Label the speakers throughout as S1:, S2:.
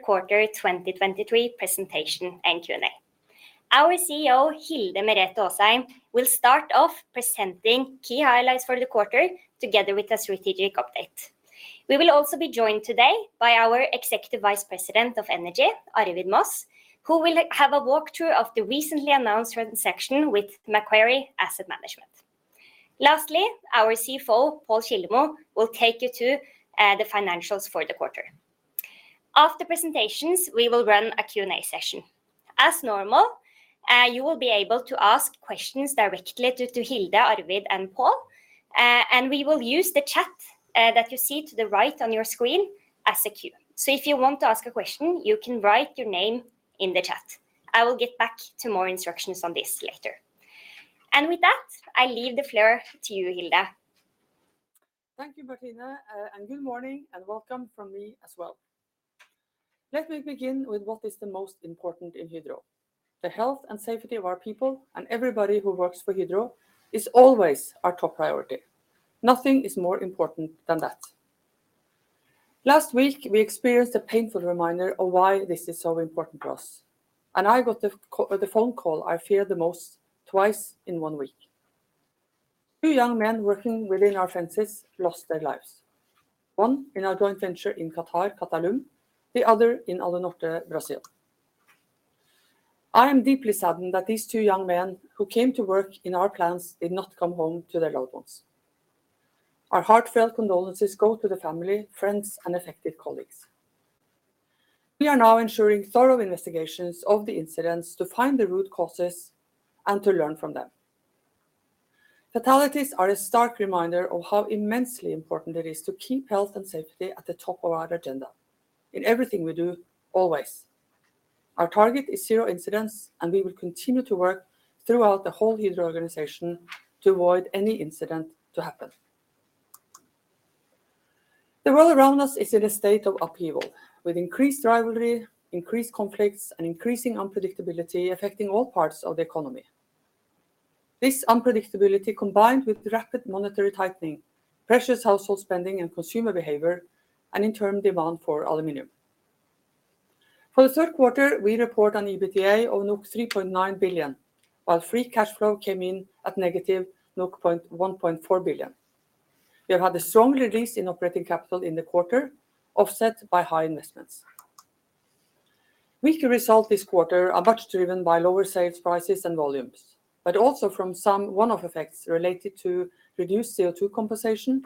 S1: Quarter 2023 presentation and Q&A. Our CEO, Hilde Merete Aasheim, will start off presenting key highlights for the quarter, together with a strategic update. We will also be joined today by our Executive Vice President of Energy, Arvid Moss, who will have a walkthrough of the recently announced transaction with Macquarie Asset Management. Lastly, our CFO, Pål Kildemo, will take you to the financials for the quarter. After presentations, we will run a Q&A session. As normal, you will be able to ask questions directly to Hilde, Arvid, and Pål, and we will use the chat that you see to the right on your screen as a queue. So if you want to ask a question, you can write your name in the chat. I will get back to more instructions on this later. And with that, I leave the floor to you, Hilde.
S2: Thank you, Martine, and good morning, and welcome from me as well. Let me begin with what is the most important in Hydro. The health and safety of our people and everybody who works for Hydro is always our top priority. Nothing is more important than that. Last week, we experienced a painful reminder of why this is so important to us, and I got the phone call I feared the most twice in one week. Two young men working within our fences lost their lives. One in our joint venture in Qatar, Qatalum, the other in Alunorte, Brazil. I am deeply saddened that these two young men, who came to work in our plants, did not come home to their loved ones. Our heartfelt condolences go to the family, friends, and affected colleagues. We are now ensuring thorough investigations of the incidents to find the root causes and to learn from them. Fatalities are a stark reminder of how immensely important it is to keep health and safety at the top of our agenda, in everything we do, always. Our target is zero incidents, and we will continue to work throughout the whole Hydro organization to avoid any incident to happen. The world around us is in a state of upheaval, with increased rivalry, increased conflicts, and increasing unpredictability affecting all parts of the economy. This unpredictability, combined with rapid monetary tightening, pressures household spending and consumer behavior, and in turn, demand for aluminium. For the third quarter, we report an EBITDA of 3.9 billion, while free cash flow came in at -0.14 billion. We have had a strong release in operating capital in the quarter, offset by high investments. Weaker results this quarter are much driven by lower sales prices and volumes, but also from some one-off effects related to reduced CO2 compensation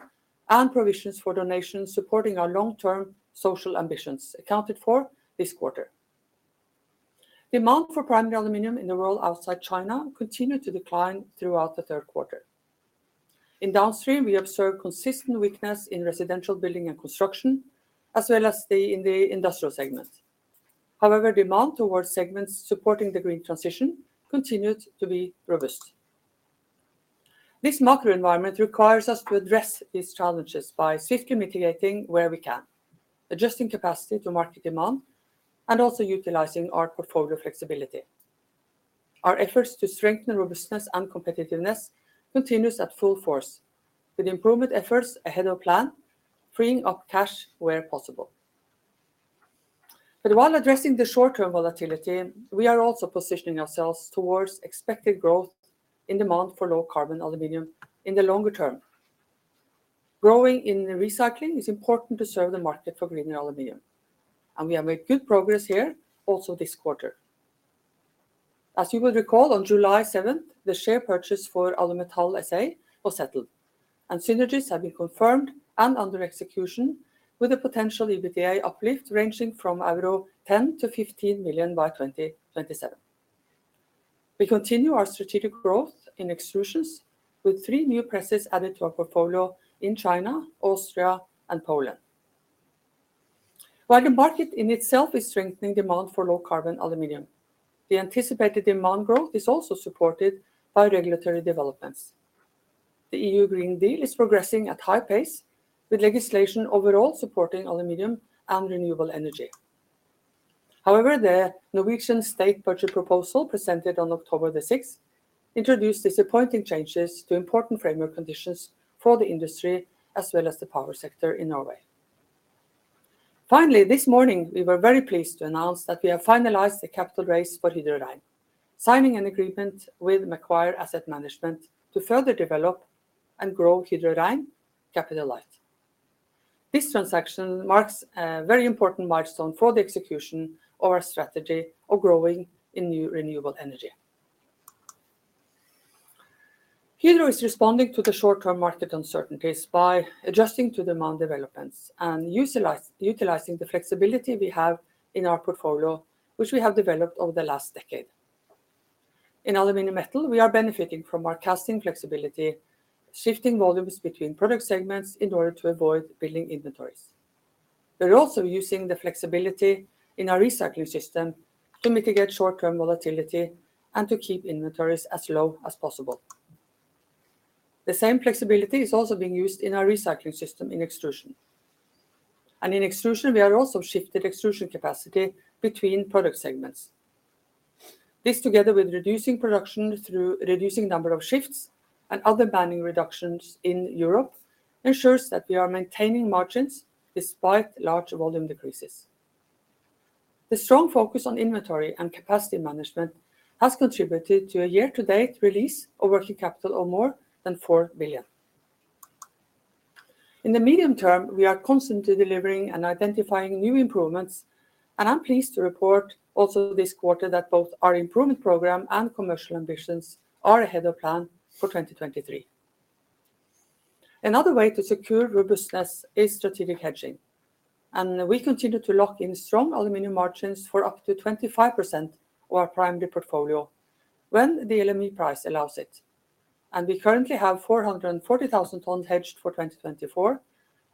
S2: and provisions for donations supporting our long-term social ambitions, accounted for this quarter. Demand for primary aluminium in the world outside China continued to decline throughout the third quarter. In downstream, we observed consistent weakness in residential building and construction, as well as in the industrial segments. However, demand towards segments supporting the green transition continued to be robust. This macro environment requires us to address these challenges by swiftly mitigating where we can, adjusting capacity to market demand, and also utilizing our portfolio flexibility. Our efforts to strengthen robustness and competitiveness continues at full force, with improvement efforts ahead of plan, freeing up cash where possible. But while addressing the short-term volatility, we are also positioning ourselves towards expected growth in demand for low-carbon aluminium in the longer term. Growing in Recycling is important to serve the market for greener aluminium, and we have made good progress here also this quarter. As you will recall, on July seventh, the share purchase for Alumetal S.A. was settled, and synergies have been confirmed and under execution, with a potential EBITDA uplift ranging from euro 10-15 million by 2027. We continue our strategic growth in Extrusions, with three new presses added to our portfolio in China, Austria, and Poland. While the market in itself is strengthening demand for low-carbon aluminium, the anticipated demand growth is also supported by regulatory developments. The EU Green Deal is progressing at high pace, with legislation overall supporting aluminium and renewable energy. However, the Norwegian state budget proposal, presented on October 6, introduced disappointing changes to important framework conditions for the industry, as well as the power sector in Norway. Finally, this morning, we were very pleased to announce that we have finalized the capital raise for Hydro Rein, signing an agreement with Macquarie Asset Management to further develop and grow Hydro Rein capital light. This transaction marks a very important milestone for the execution of our strategy of growing in new renewable energy. Hydro is responding to the short-term market uncertainties by adjusting to demand developments and utilizing the flexibility we have in our portfolio, which we have developed over the last decade. In Aluminium Metal, we are benefiting from our casting flexibility, shifting volumes between product segments in order to avoid building inventories. We're also using the flexibility in our recycling system to mitigate short-term volatility and to keep inventories as low as possible. The same flexibility is also being used in our recycling system in extrusion. And in extrusion, we are also shifted extrusion capacity between product segments. This, together with reducing production through reducing number of shifts and other manning reductions in Europe, ensures that we are maintaining margins despite large volume decreases. The strong focus on inventory and capacity management has contributed to a year-to-date release of working capital of more than 4 billion. In the medium term, we are constantly delivering and identifying new improvements, and I'm pleased to report also this quarter that both our improvement program and commercial ambitions are ahead of plan for 2023. Another way to secure robustness is strategic hedging, and we continue to lock in strong aluminium margins for up to 25% of our primary portfolio when the LME price allows it, and we currently have 440,000 tons hedged for 2024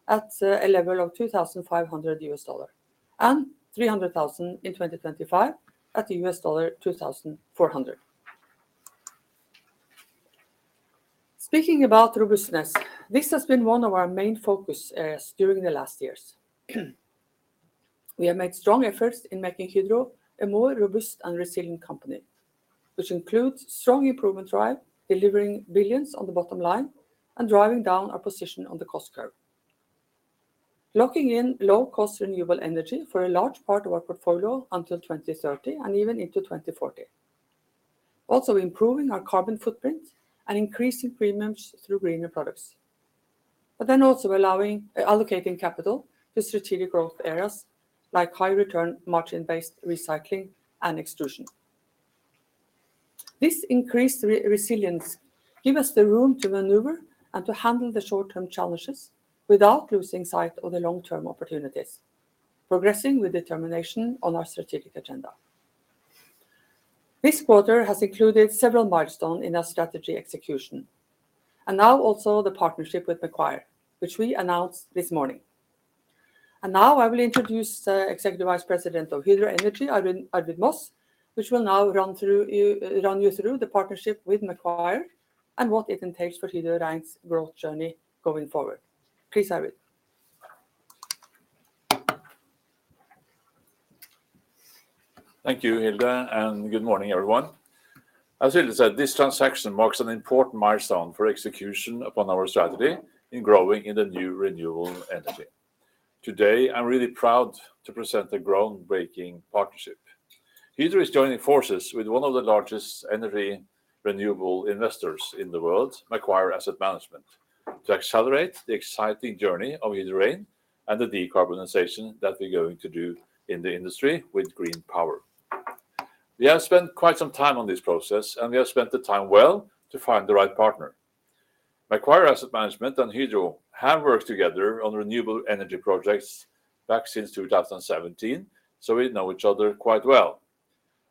S2: at a level of $2,500 and 300,000 in 2025 at $2,400. Speaking about robustness, this has been one of our main focus areas during the last years. We have made strong efforts in making Hydro a more robust and resilient company, which includes strong improvement drive, delivering billions on the bottom line, and driving down our position on the cost curve. Locking in low-cost renewable energy for a large part of our portfolio until 2030 and even into 2040. Also, improving our carbon footprint and increasing premiums through greener products, but then also allowing, allocating capital to strategic growth areas like high return, margin-based Recycling and Extrusion. This increased resilience give us the room to maneuver and to handle the short-term challenges without losing sight of the long-term opportunities, progressing with determination on our strategic agenda. This quarter has included several milestone in our strategy execution, and now also the partnership with Macquarie, which we announced this morning. And now I will introduce, Executive Vice President of Hydro Energy, Arvid, Arvid Moss, which will now run you through the partnership with Macquarie and what it entails for Hydro Rein's growth journey going forward. Please, Arvid.
S3: Thank you, Hilde, and good morning, everyone. As Hilde said, this transaction marks an important milestone for execution upon our strategy in growing in the new renewable energy. Today, I'm really proud to present a groundbreaking partnership. Hydro is joining forces with one of the largest renewable energy investors in the world, Macquarie Asset Management, to accelerate the exciting journey of Hydro Rein and the decarbonization that we're going to do in the industry with green power. We have spent quite some time on this process, and we have spent the time well to find the right partner. Macquarie Asset Management and Hydro have worked together on renewable energy projects back since 2017, so we know each other quite well,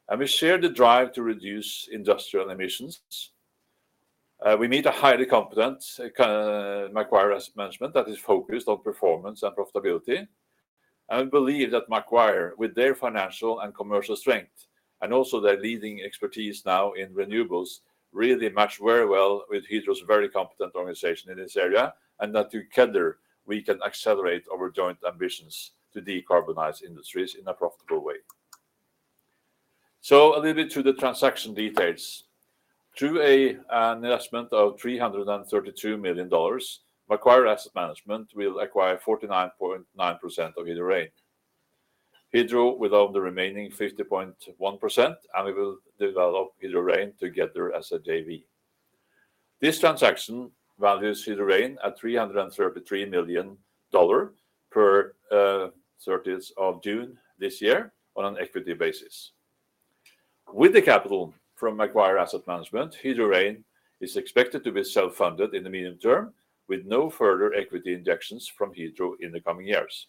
S3: and we share the drive to reduce industrial emissions. We meet a highly competent Macquarie Asset Management that is focused on performance and profitability. I believe that Macquarie, with their financial and commercial strength, and also their leading expertise now in renewables, really match very well with Hydro's very competent organization in this area, and that together, we can accelerate our joint ambitions to decarbonize industries in a profitable way. So a little bit to the transaction details. Through an investment of $332 million, Macquarie Asset Management will acquire 49.9% of Hydro Rein. Hydro will own the remaining 50.1%, and we will develop Hydro Rein together as a JV. This transaction values Hydro Rein at $333 million per thirtieth of June this year on an equity basis. With the capital from Macquarie Asset Management, Hydro Rein is expected to be self-funded in the medium term, with no further equity injections from Hydro in the coming years.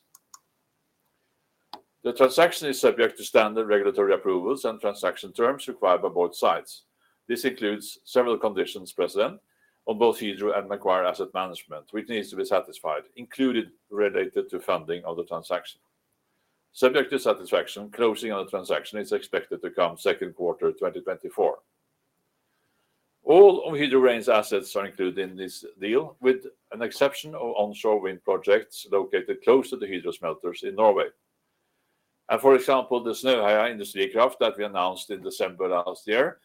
S3: The transaction is subject to standard regulatory approvals and transaction terms required by both sides. This includes several conditions present on both Hydro and Macquarie Asset Management, which needs to be satisfied, including related to funding of the transaction. Subject to satisfaction, closing on the transaction is expected to come second quarter 2024. All of Hydro Rein's assets are included in this deal, with an exception of onshore wind projects located close to the Hydro smelters in Norway. And for example, the Snøheia Industrikraft that we announced in December last year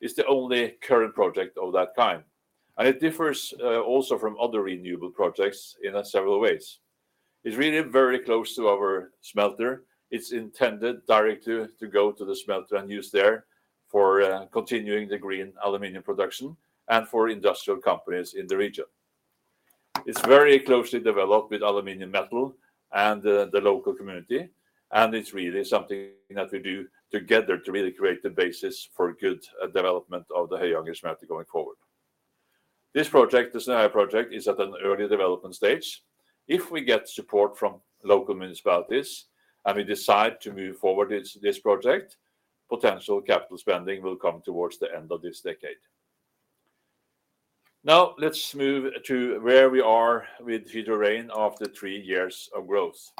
S3: is the only current project of that kind, and it differs also from other renewable projects in several ways. It's really very close to our smelter. It's intended directly to go to the smelter and use there for continuing the green aluminium production and for industrial companies in the region. It's very closely developed with Aluminium Metal and the local community, and it's really something that we do together to really create the basis for good development of the Høyanger smelter going forward. This project, the Snøheia project, is at an early development stage. If we get support from local municipalities, and we decide to move forward with this project, potential capital spending will come towards the end of this decade. Now, let's move to where we are with Hydro Rein after three years of growth.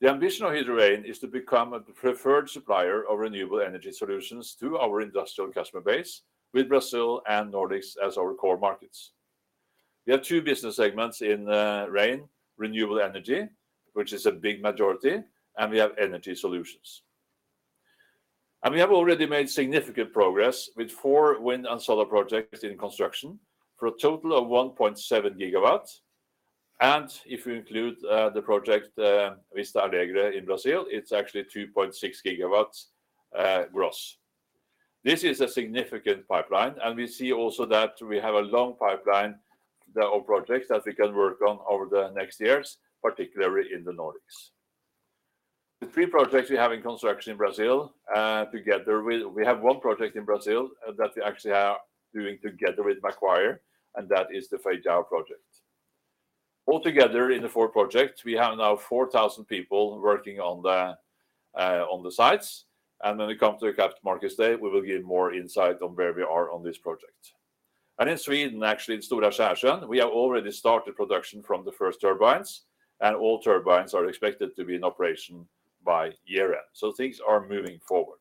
S3: The ambition of Hydro Rein is to become a preferred supplier of renewable energy solutions to our industrial customer base with Brazil and Nordics as our core markets. We have two business segments in Rein: renewable energy, which is a big majority, and we have energy solutions. We have already made significant progress with four wind and solar projects in construction, for a total of 1.7 GW. If we include the project, Vista Alegre in Brazil, it's actually 2.6 GW, gross. This is a significant pipeline, and we see also that we have a long pipeline of projects that we can work on over the next years, particularly in the Nordics. The three projects we have in construction in Brazil. We have one project in Brazil, that we actually are doing together with Macquarie, and that is the Feijão project. Altogether, in the four projects, we have now 4,000 people working on the sites, and when we come to the Capital Markets Day, we will give more insight on where we are on this project. And in Sweden, actually, in Stor-Skälsjön, we have already started production from the first turbines, and all turbines are expected to be in operation by year-end. So things are moving forward.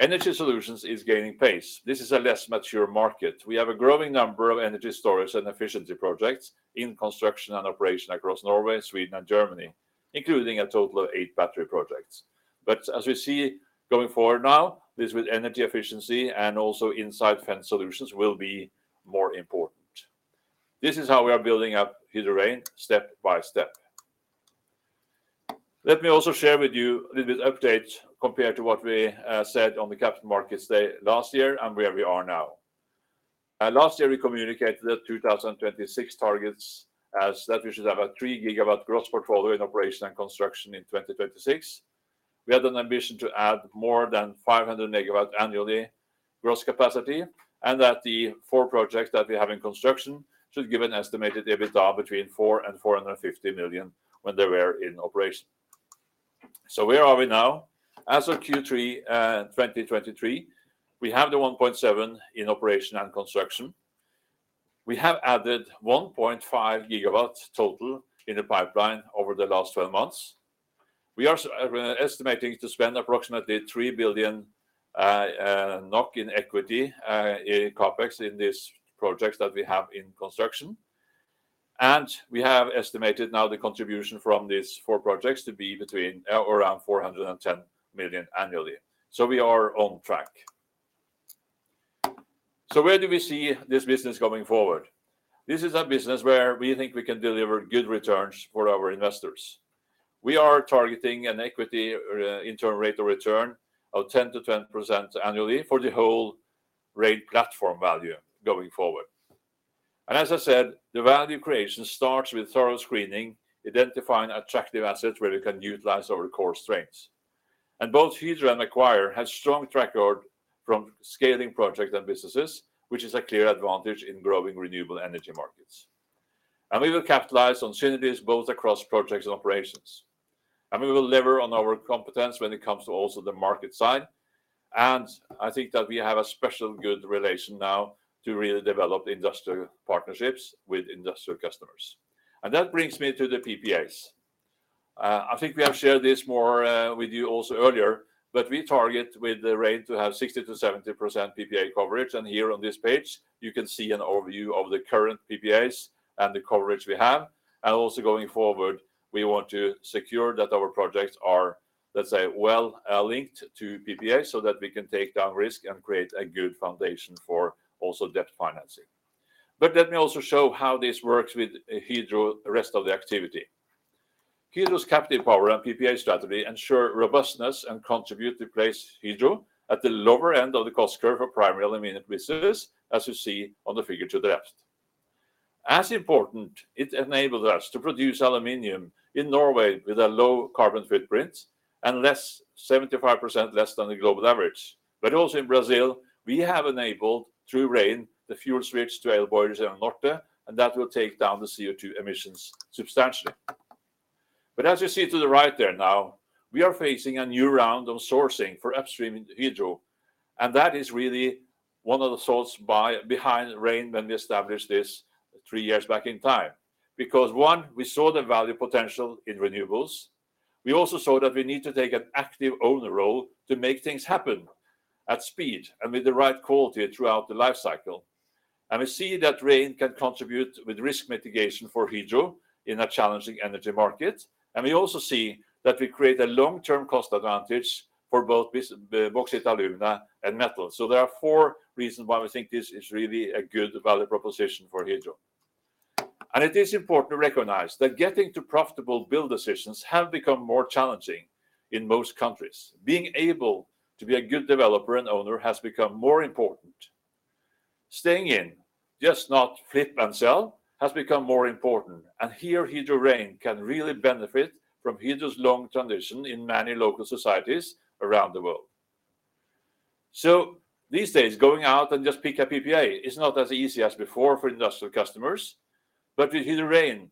S3: Energy solutions is gaining pace. This is a less mature market. We have a growing number of energy storage and efficiency projects in construction and operation across Norway, Sweden, and Germany, including a total of eight battery projects. But as you see, going forward now, this with energy efficiency and also inside fence solutions, will be more important. This is how we are building up Hydro Rein, step by step. Let me also share with you a little bit update compared to what we said on the Capital Markets Day last year and where we are now. Last year, we communicated the 2026 targets as that we should have a 3 GW gross portfolio in operation and construction in 2026. We had an ambition to add more than 500 MW annually, gross capacity, and that the four projects that we have in construction should give an estimated EBITDA between 400 million-450 million when they were in operation. Where are we now? As of Q3 2023, we have the 1.7 GW in operation and construction. We have added 1.5 GW total in the pipeline over the last 12 months. We are also estimating to spend approximately 3 billion NOK in equity, in CapEx, in these projects that we have in construction. We have estimated now the contribution from these four projects to be between around 410 million annually. So we are on track. So where do we see this business going forward? This is a business where we think we can deliver good returns for our investors. We are targeting an equity internal rate of return of 10%-10% annually for the whole Rein platform value going forward. And as I said, the value creation starts with thorough screening, identifying attractive assets where we can utilize our core strengths. And both Hydro and Macquarie have strong track record from scaling projects and businesses, which is a clear advantage in growing renewable energy markets. And we will capitalize on synergies both across projects and operations. And we will lever on our competence when it comes to also the market side. I think that we have a special good relation now to really develop industrial partnerships with industrial customers. That brings me to the PPAs. I think we have shared this more, with you also earlier, but we target with the Hydro Rein to have 60%-70% PPA coverage. And here on this page, you can see an overview of the current PPAs and the coverage we have. And also going forward, we want to secure that our projects are, let's say, well, linked to PPA, so that we can take down risk and create a good foundation for also debt financing. But let me also show how this works with Hydro, the rest of the activity. Hydro's captive power and PPA strategy ensure robustness and contribute to place Hydro at the lower end of the cost curve for primary aluminium producers, as you see on the figure to the left. As important, it enables us to produce aluminium in Norway with a low carbon footprint and less, 75% less than the global average. Also in Brazil, we have enabled, through Rein, the fuel switch to oil boilers in Alunorte, and that will take down the CO2 emissions substantially. As you see to the right there now, we are facing a new round of sourcing for upstream Hydro, and that is really one of the thoughts behind Rein when we established this three years back in time. Because, one, we saw the value potential in renewables. We also saw that we need to take an active owner role to make things happen at speed and with the right quality throughout the life cycle. We see that Hydro Rein can contribute with risk mitigation for Hydro in a challenging energy market. We also see that we create a long-term cost advantage for both bauxite, alumina, and metal. There are four reasons why we think this is really a good value proposition for Hydro. It is important to recognize that getting to profitable build decisions have become more challenging in most countries. Being able to be a good developer and owner has become more important. Staying in, just not flip and sell, has become more important, and here, Hydro Rein can really benefit from Hydro's long tradition in many local societies around the world. So these days, going out and just pick a PPA is not as easy as before for industrial customers, but with Hydro Rein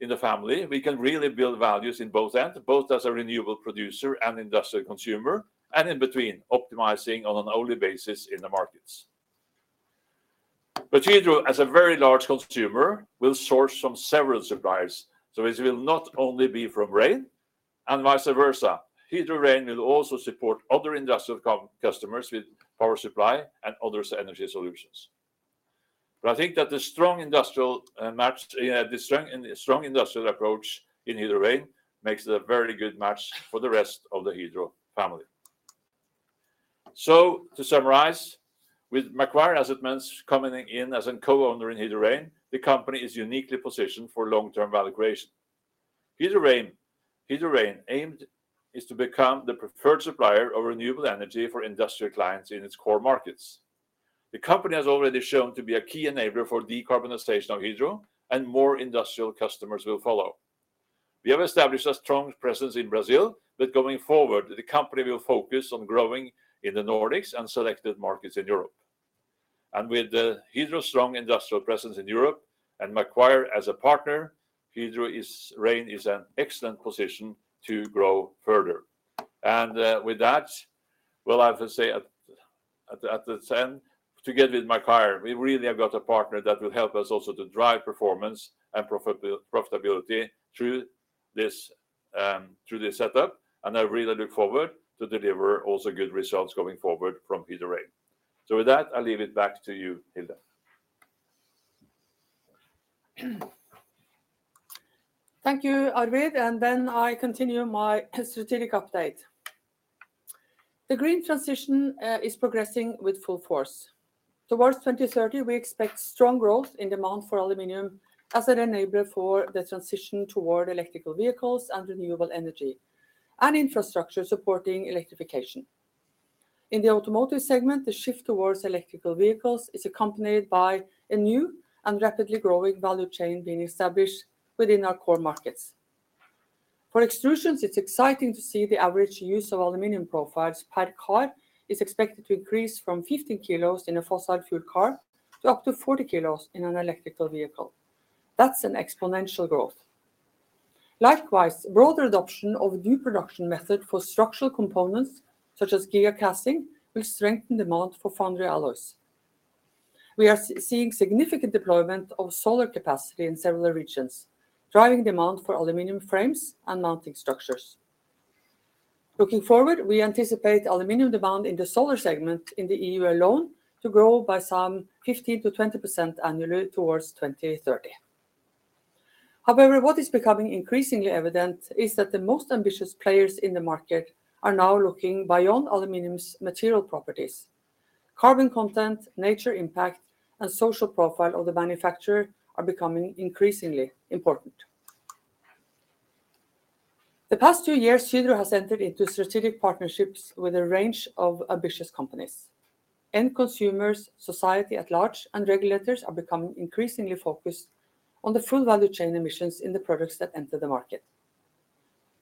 S3: in the family, we can really build values in both end, both as a renewable producer and industrial consumer, and in between, optimizing on an early basis in the markets. But Hydro, as a very large consumer, will source from several suppliers, so it will not only be from Rein, and vice versa, Hydro Rein will also support other industrial customers with power supply and other energy solutions. But I think that the strong industrial match, the strong industrial approach in Hydro Rein makes it a very good match for the rest of the Hydro family. So to summarize, with Macquarie Asset Management coming in as a co-owner in Hydro Rein, the company is uniquely positioned for long-term valuation. Hydro Rein aims to become the preferred supplier of renewable energy for industrial clients in its core markets. The company has already shown to be a key enabler for decarbonization of Hydro, and more industrial customers will follow. We have established a strong presence in Brazil, but going forward, the company will focus on growing in the Nordics and selected markets in Europe. With Hydro's strong industrial presence in Europe and Macquarie as a partner, Hydro Rein is in an excellent position to grow further. Well, I have to say at the end, together with Macquarie, we really have got a partner that will help us also to drive performance and profitability through this setup, and I really look forward to deliver also good results going forward from Hydro Rein. With that, I'll leave it back to you, Hilde.
S2: Thank you, Arvid. I continue my strategic update. The green transition is progressing with full force. Toward 2030, we expect strong growth in demand for aluminium as an enabler for the transition toward electrical vehicles and renewable energy, and infrastructure supporting electrification. In the automotive segment, the shift toward electrical vehicles is accompanied by a new and rapidly growing value chain being established within our core markets. For extrusions, it's exciting to see the average use of aluminium profiles per car is expected to increase from 15 kg in a fossil fuel car to up to 40 kg in an electrical vehicle. That's an exponential growth. Likewise, broader adoption of new production method for structural components, such as gigacasting, will strengthen demand for foundry alloys. We are seeing significant deployment of solar capacity in several regions, driving demand for aluminium frames and mounting structures. Looking forward, we anticipate aluminium demand in the solar segment in the EU alone to grow by some 15%-20% annually towards 2030. However, what is becoming increasingly evident is that the most ambitious players in the market are now looking beyond aluminium's material properties. Carbon content, nature impact, and social profile of the manufacturer are becoming increasingly important. The past two years, Hydro has entered into strategic partnerships with a range of ambitious companies. End consumers, society at large, and regulators are becoming increasingly focused on the full value chain emissions in the products that enter the market.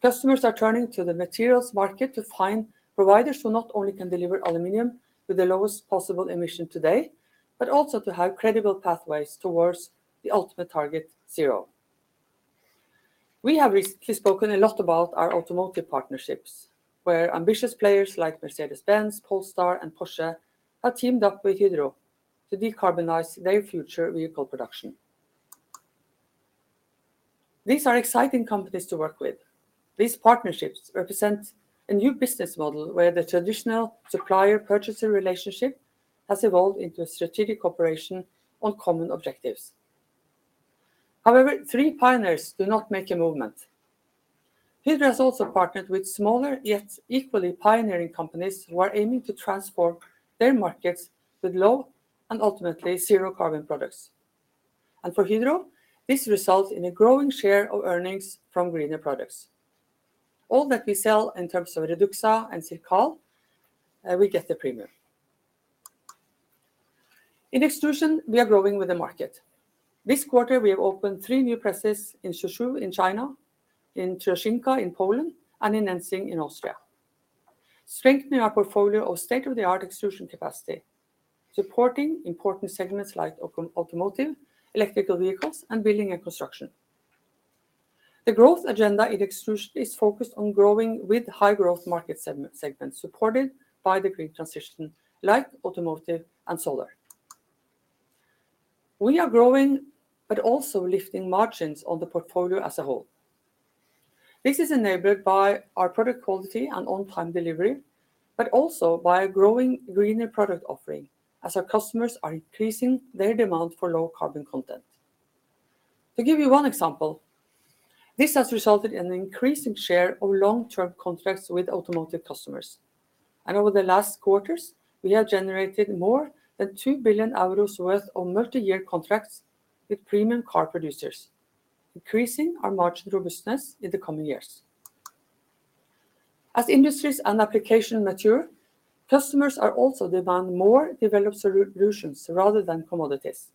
S2: Customers are turning to the materials market to find providers who not only can deliver aluminium with the lowest possible emission today, but also to have credible pathways towards the ultimate target, zero. We have recently spoken a lot about our automotive partnerships, where ambitious players like Mercedes-Benz, Polestar, and Porsche have teamed up with Hydro to decarbonize their future vehicle production. These are exciting companies to work with. These partnerships represent a new business model, where the traditional supplier-purchaser relationship has evolved into a strategic operation on common objectives. However, three pioneers do not make a movement. Hydro has also partnered with smaller, yet equally pioneering companies, who are aiming to transform their markets with low and ultimately zero-carbon products. And for Hydro, this results in a growing share of earnings from greener products. All that we sell in terms of REDUXA and CIRCAL, we get the premium. In Extrusion, we are growing with the market. This quarter, we have opened three new presses in Zhuzhou in China, in Tczew in Poland, and in Nenzing in Austria, strengthening our portfolio of state-of-the-art extrusion capacity, supporting important segments like automotive, electrical vehicles, and building and construction. The growth agenda in Extrusion is focused on growing with high-growth market segments, supported by the green transition, like automotive and solar. We are growing, but also lifting margins on the portfolio as a whole. This is enabled by our product quality and on-time delivery, but also by a growing greener product offering, as our customers are increasing their demand for low carbon content. To give you one example, this has resulted in an increasing share of long-term contracts with automotive customers. Over the last quarters, we have generated more than 2 billion euros worth of multi-year contracts with premium car producers, increasing our margin robustness in the coming years. As industries and application mature, customers are also demanding more developed solutions rather than commodities.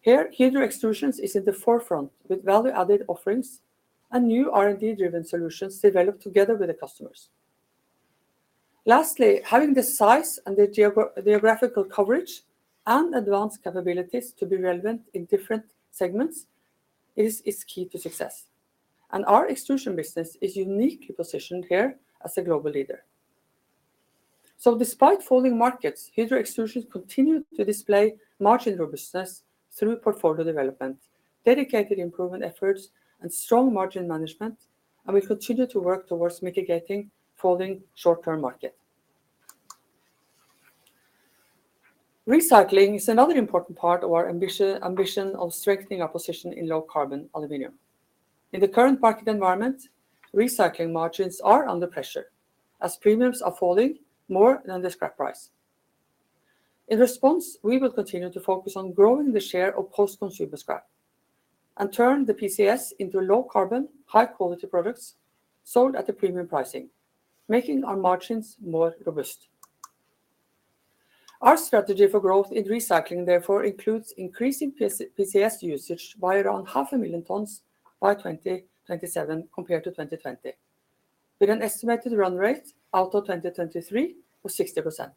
S2: Here, Hydro Extrusions is at the forefront with value-added offerings and new R&D-driven solutions developed together with the customers. Lastly, having the size and the geographical coverage and advanced capabilities to be relevant in different segments is key to success, and our extrusion business is uniquely positioned here as a global leader. Despite falling markets, Hydro Extrusions continues to display margin robustness through portfolio development, dedicated improvement efforts, and strong margin management, and we continue to work towards mitigating falling short-term market. Recycling is another important part of our ambition of strengthening our position in low carbon aluminium. In the current market environment, Recycling margins are under pressure as premiums are falling more than the scrap price. In response, we will continue to focus on growing the share of post-consumer scrap and turn the PCS into low carbon, high quality products sold at a premium pricing, making our margins more robust. Our strategy for growth in Recycling, therefore, includes increasing PC, PCS usage by around 500,000 tons by 2027 compared to 2020, with an estimated run rate out of 2023 of 60%.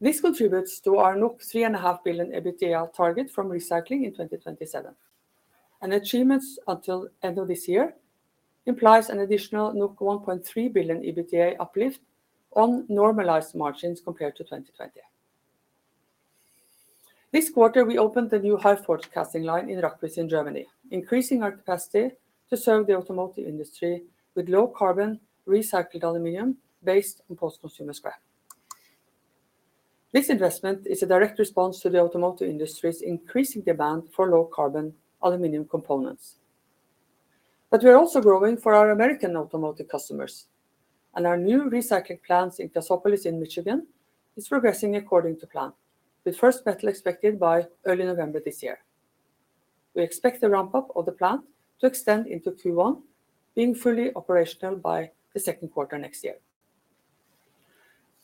S2: This contributes to our 3.5 billion EBITDA target from Recycling in 2027. And achievements until end of this year implies an additional 1.3 billion EBITDA uplift on normalized margins compared to 2020. This quarter, we opened the new HyForge casting line in Rackwitz in Germany, increasing our capacity to serve the automotive industry with low carbon recycled aluminium based on post-consumer scrap. This investment is a direct response to the automotive industry's increasing demand for low carbon aluminium components. But we are also growing for our American automotive customers, and our new Recycling plant in Cassopolis in Michigan is progressing according to plan, with first metal expected by early November this year. We expect the ramp-up of the plant to extend into Q1, being fully operational by the second quarter next year.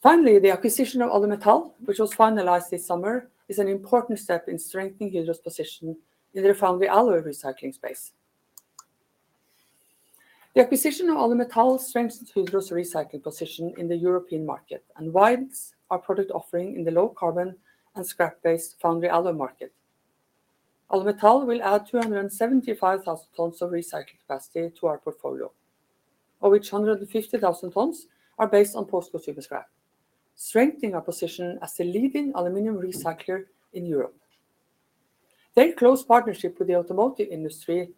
S2: Finally, the acquisition of Alumetal, which was finalized this summer, is an important step in strengthening Hydro's position in the foundry alloy Recycling space. The acquisition of Alumetal strengthens Hydro's Recycling position in the European market and widens our product offering in the low carbon and scrap-based foundry alloy market. Alumetal will add 275,000 tons of recycled capacity to our portfolio, of which 150,000 tons are based on post-consumer scrap, strengthening our position as the leading aluminium recycler in Europe. Their close partnership with the automotive industry,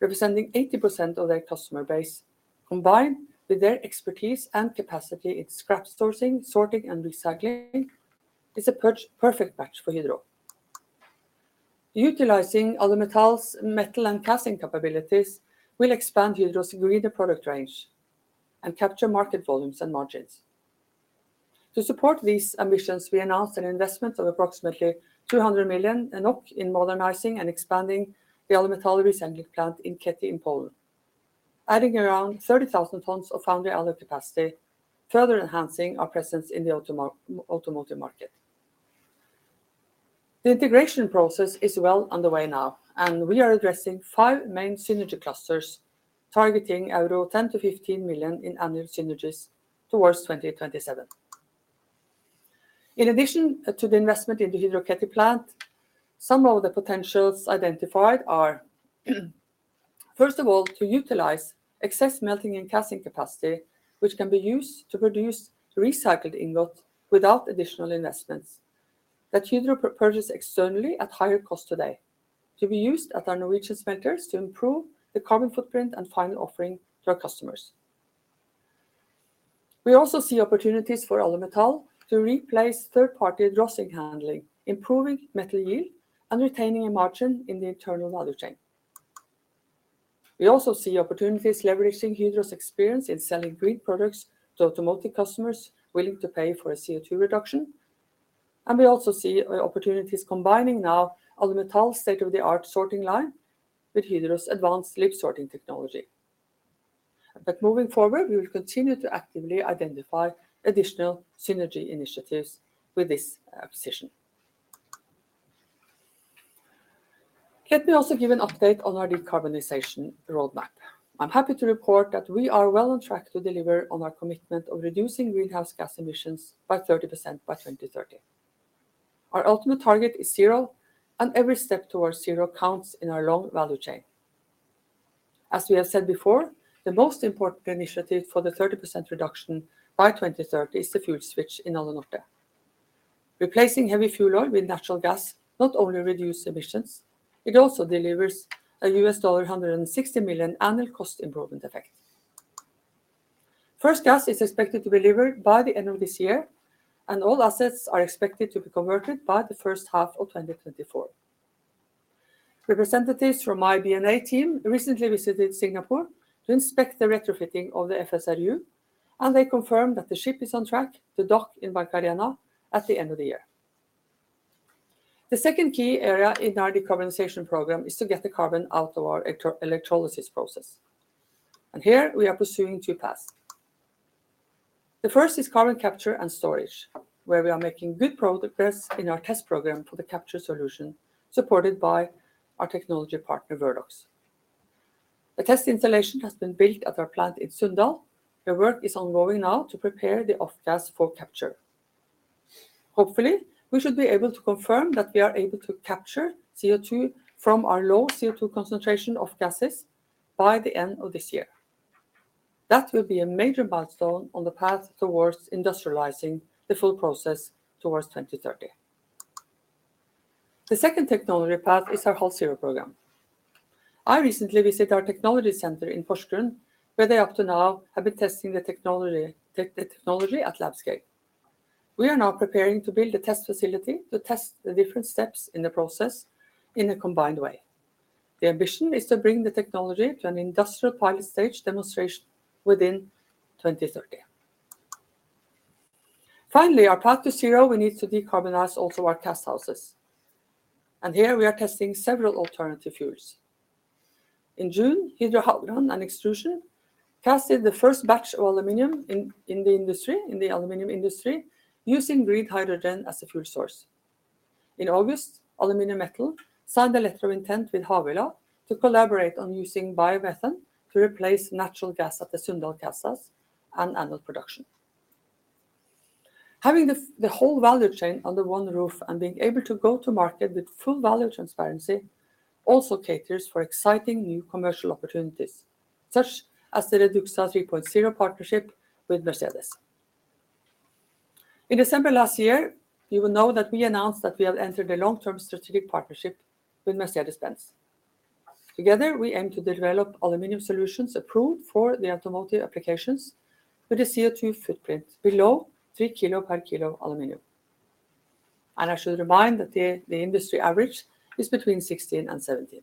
S2: representing 80% of their customer base, combined with their expertise and capacity in scrap sourcing, sorting, and Recycling, is a perfect match for Hydro. Utilizing Alumetal's metal and casting capabilities will expand Hydro's greener product range and capture market volumes and margins. To support these ambitions, we announced an investment of approximately 200 million in modernizing and expanding the Alumetal recycling plant in Kęty in Poland, adding around 30,000 tons of foundry alloy capacity, further enhancing our presence in the automotive market. The integration process is well underway now, and we are addressing five main synergy clusters, targeting euro 10-15 million in annual synergies towards 2027. In addition to the investment in the Hydro Kęty plant, some of the potentials identified are, first of all, to utilize excess melting and casting capacity, which can be used to produce recycled ingot without additional investments that Hydro purchase externally at higher cost today, to be used at our Norwegian centers to improve the carbon footprint and final offering to our customers. We also see opportunities for Alumetal to replace third-party dross handling, improving metal yield and retaining a margin in the internal value chain. We also see opportunities leveraging Hydro's experience in selling green products to automotive customers willing to pay for a CO2 reduction, and we also see opportunities combining now Alumetal's state-of-the-art sorting line with Hydro's advanced LIBS sorting technology. But moving forward, we will continue to actively identify additional synergy initiatives with this, acquisition. Let me also give an update on our decarbonization roadmap. I'm happy to report that we are well on track to deliver on our commitment of reducing greenhouse gas emissions by 30% by 2030. Our ultimate target is zero, and every step towards zero counts in our long value chain. As we have said before, the most important initiative for the 30% reduction by 2030 is the fuel switch in Alunorte. Replacing heavy fuel oil with natural gas not only reduces emissions, it also delivers a $160 million annual cost improvement effect. First gas is expected to be delivered by the end of this year, and all assets are expected to be converted by the first half of 2024. Representatives from my BNA team recently visited Singapore to inspect the retrofitting of the FSRU, and they confirmed that the ship is on track to dock in Barcarena at the end of the year. The second key area in our decarbonization program is to get the carbon out of our electrolysis process, and here we are pursuing two paths. The first is carbon capture and storage, where we are making good progress in our test program for the capture solution, supported by our technology partner, Verdox. A test installation has been built at our plant in Sunndal, where work is ongoing now to prepare the off gas for capture. Hopefully, we should be able to confirm that we are able to capture CO2 from our low CO2 concentration of gases by the end of this year. That will be a major milestone on the path towards industrializing the full process towards 2030. The second technology path is our HalZero program. I recently visited our technology center in Porsgrunn, where they up to now have been testing the technology at lab scale. We are now preparing to build a test facility to test the different steps in the process in a combined way. The ambition is to bring the technology to an industrial pilot stage demonstration within 2030. Finally, our path to zero, we need to decarbonize also our cast houses, and here we are testing several alternative fuels. In June, Hydro Havrand and Extrusion casted the first batch of aluminium in the industry, in the aluminium industry, using green hydrogen as a fuel source. In August, Aluminium Metal signed a letter of intent with Havila to collaborate on using biomethane to replace natural gas at the Sunndal Cast House and annual production. Having the whole value chain under one roof and being able to go to market with full value transparency also caters for exciting new commercial opportunities, such as the REDUXA 3.0 partnership with Mercedes. In December last year, you will know that we announced that we have entered a long-term strategic partnership with Mercedes-Benz. Together, we aim to develop aluminium solutions approved for the automotive applications with a CO2 footprint below 3 kg per kilo aluminium. I should remind that the industry average is between 16 and 17.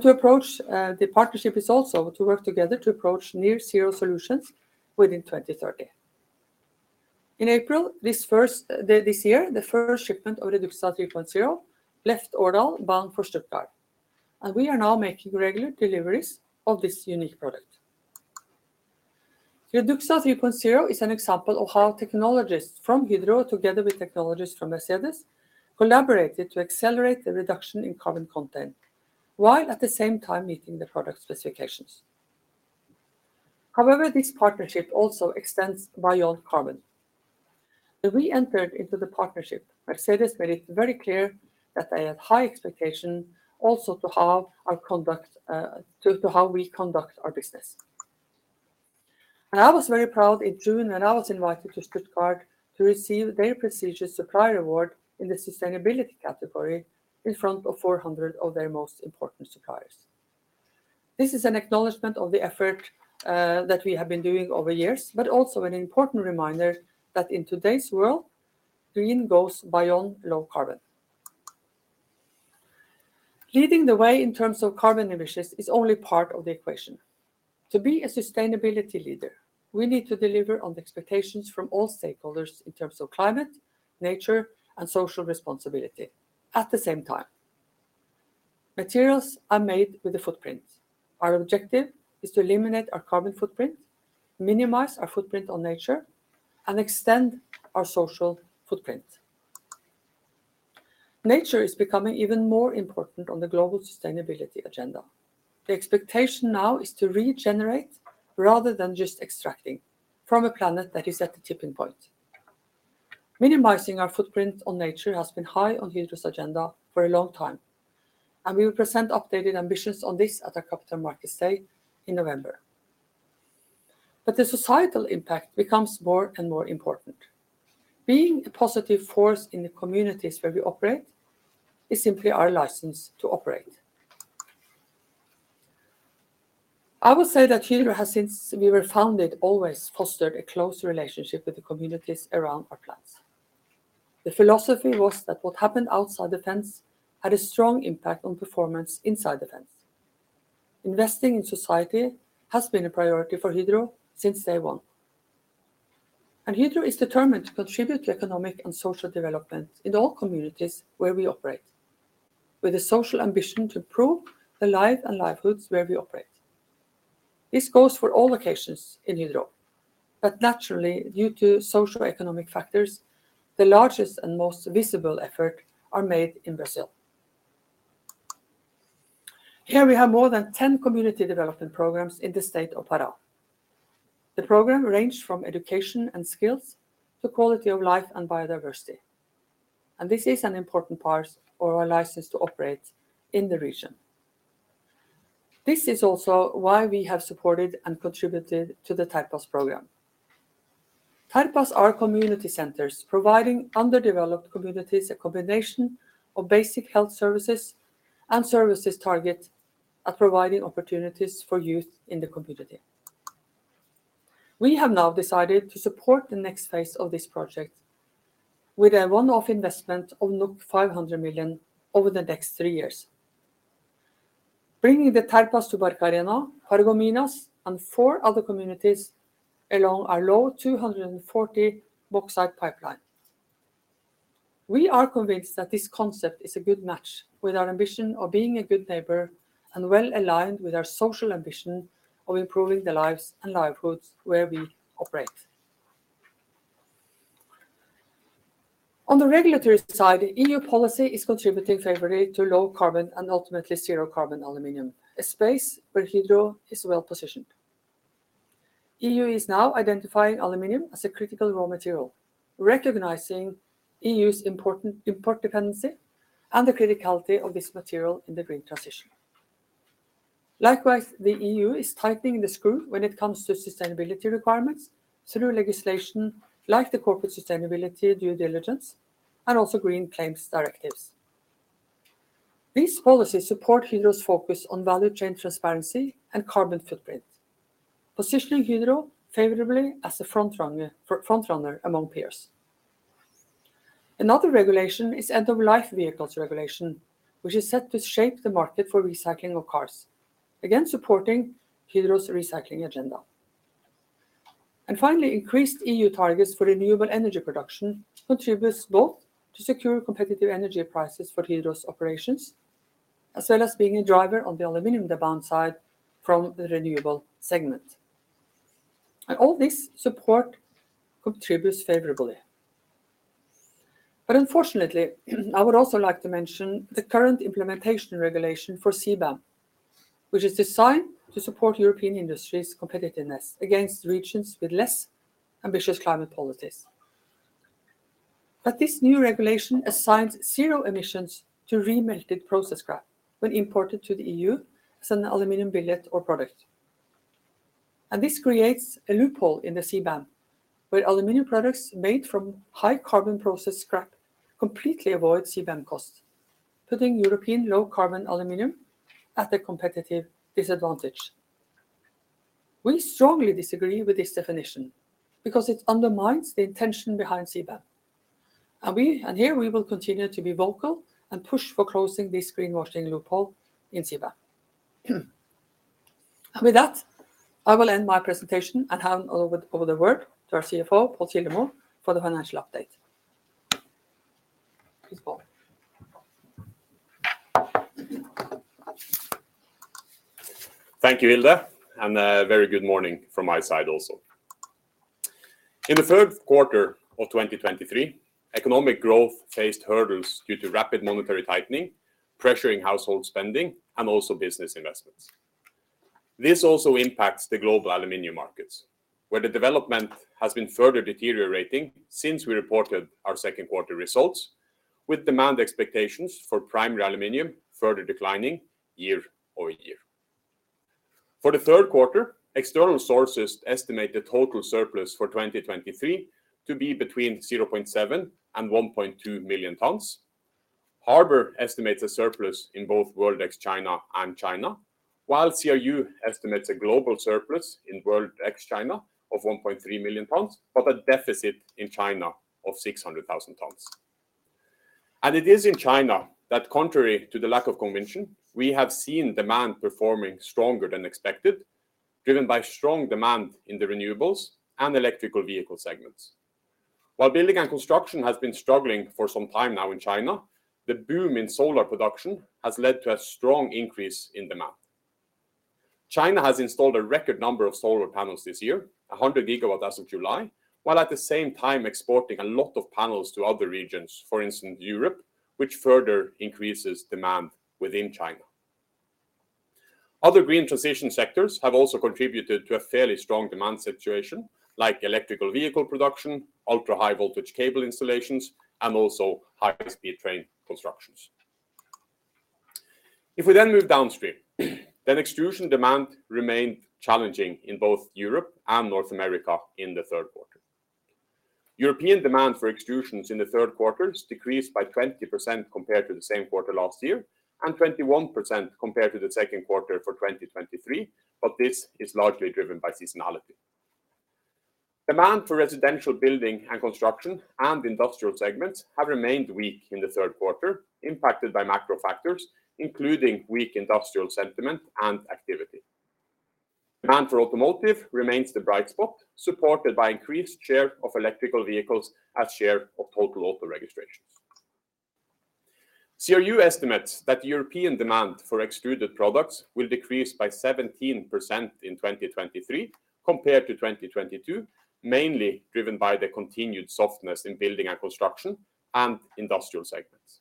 S2: To approach the partnership is also to work together to approach net zero solutions within 2030. In April this year, the first shipment of REDUXA 3.0 left Årdal, bound for Stuttgart, and we are now making regular deliveries of this unique product. REDUXA 3.0 is an example of how technologists from Hydro, together with technologists from Mercedes, collaborated to accelerate the reduction in carbon content, while at the same time meeting the product specifications. However, this partnership also extends beyond carbon. When we entered into the partnership, Mercedes made it very clear that they had high expectations also to how our conduct, to how we conduct our business. I was very proud in June, when I was invited to Stuttgart to receive their prestigious supplier award in the sustainability category in front of 400 of their most important suppliers. This is an acknowledgment of the effort, that we have been doing over years, but also an important reminder that in today's world, green goes beyond low carbon. Leading the way in terms of carbon emissions is only part of the equation. To be a sustainability leader, we need to deliver on the expectations from all stakeholders in terms of climate, nature, and social responsibility at the same time. Materials are made with a footprint. Our objective is to eliminate our carbon footprint, minimize our footprint on nature, and extend our social footprint. Nature is becoming even more important on the global sustainability agenda. The expectation now is to regenerate rather than just extracting from a planet that is at a tipping point. Minimizing our footprint on nature has been high on Hydro's agenda for a long time, and we will present updated ambitions on this at our Capital Markets Day in November. But the societal impact becomes more and more important. Being a positive force in the communities where we operate is simply our license to operate. I would say that Hydro has, since we were founded, always fostered a close relationship with the communities around our plants. The philosophy was that what happened outside the fence had a strong impact on performance inside the fence. Investing in society has been a priority for Hydro since day one, and Hydro is determined to contribute to economic and social development in all communities where we operate, with a social ambition to improve the life and livelihoods where we operate. This goes for all locations in Hydro, but naturally, due to socioeconomic factors, the largest and most visible effort are made in Brazil. Here we have more than 10 community development programs in the state of Pará. The program range from education and skills to quality of life and biodiversity, and this is an important part of our license to operate in the region. This is also why we have supported and contributed to the TerPaz program. TerPaz are community centers providing underdeveloped communities a combination of basic health services and services targeted at providing opportunities for youth in the community. We have now decided to support the next phase of this project with a one-off investment of 500 million over the next three years, bringing the TerPaz to Barcarena, Paragominas, and four other communities along our 240 km bauxite pipeline. We are convinced that this concept is a good match with our ambition of being a good neighbor and well aligned with our social ambition of improving the lives and livelihoods where we operate. On the regulatory side, EU policy is contributing favorably to low carbon and ultimately zero-carbon aluminium, a space where Hydro is well positioned. EU is now identifying aluminium as a critical raw material, recognizing EU's important import dependency and the criticality of this material in the green transition. Likewise, the EU is tightening the screw when it comes to sustainability requirements through legislation like the Corporate Sustainability Due Diligence, and also Green Claims Directives. These policies support Hydro's focus on value chain transparency and carbon footprint, positioning Hydro favorably as a front runner, front runner among peers. Another regulation is End-of-Life Vehicles regulation, which is set to shape the market for recycling of cars, again, supporting Hydro's recycling agenda. And finally, increased EU targets for renewable energy production contributes both to secure competitive energy prices for Hydro's operations, as well as being a driver on the aluminium demand side from the renewable segment. And all this support contributes favorably. But unfortunately, I would also like to mention the current implementation regulation for CBAM, which is designed to support European industry's competitiveness against regions with less ambitious climate policies. But this new regulation assigns zero emissions to re-melted process scrap when imported to the EU as an aluminium billet or product. This creates a loophole in the CBAM, where aluminium products made from high carbon process scrap completely avoid CBAM costs, putting European low-carbon aluminium at a competitive disadvantage. We strongly disagree with this definition because it undermines the intention behind CBAM, and we, and here we will continue to be vocal and push for closing this greenwashing loophole in CBAM. With that, I will end my presentation and hand over, over the work to our CFO, Pål Kildemo, for the financial update. Please, Pål.
S4: Thank you, Hilde, and a very good morning from my side also. In the third quarter of 2023, economic growth faced hurdles due to rapid monetary tightening, pressuring household spending and also business investments. This also impacts the global aluminium markets, where the development has been further deteriorating since we reported our second quarter results, with demand expectations for primary aluminium further declining year-over-year. For the third quarter, external sources estimate the total surplus for 2023 to be between 0.7 and 1.2 million tons. Harbor estimates a surplus in both World ex China and China, while CRU estimates a global surplus in World ex China of 1.3 million tons, but a deficit in China of 600,000 tons. It is in China that, contrary to the lack of convention, we have seen demand performing stronger than expected, driven by strong demand in the renewables and electric vehicle segments. While building and construction has been struggling for some time now in China, the boom in solar production has led to a strong increase in demand. China has installed a record number of solar panels this year, 100 GW as of July, while at the same time exporting a lot of panels to other regions, for instance, Europe, which further increases demand within China. Other green transition sectors have also contributed to a fairly strong demand situation, like electric vehicle production, ultra-high voltage cable installations, and also high-speed train constructions. If we then move downstream, then extrusion demand remained challenging in both Europe and North America in the third quarter. European demand for extrusions in the third quarters decreased by 20% compared to the same quarter last year, and 21% compared to the second quarter for 2023, but this is largely driven by seasonality. Demand for residential building and construction and industrial segments have remained weak in the third quarter, impacted by macro factors, including weak industrial sentiment and activity. Demand for automotive remains the bright spot, supported by increased share of electric vehicles as share of total auto registrations. CRU estimates that European demand for extruded products will decrease by 17% in 2023 compared to 2022, mainly driven by the continued softness in building and construction and industrial segments.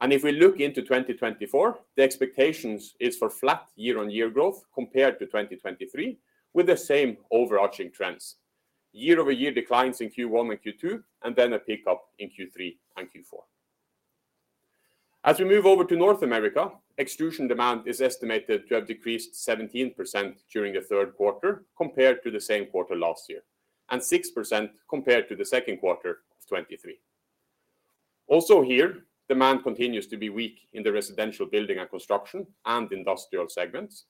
S4: If we look into 2024, the expectations is for flat year-on-year growth compared to 2023, with the same overarching trends: year-over-year declines in Q1 and Q2, and then a pickup in Q3 and Q4. As we move over to North America, extrusion demand is estimated to have decreased 17% during the third quarter compared to the same quarter last year, and 6% compared to the second quarter of 2023. Also here, demand continues to be weak in the residential building and construction and industrial segments,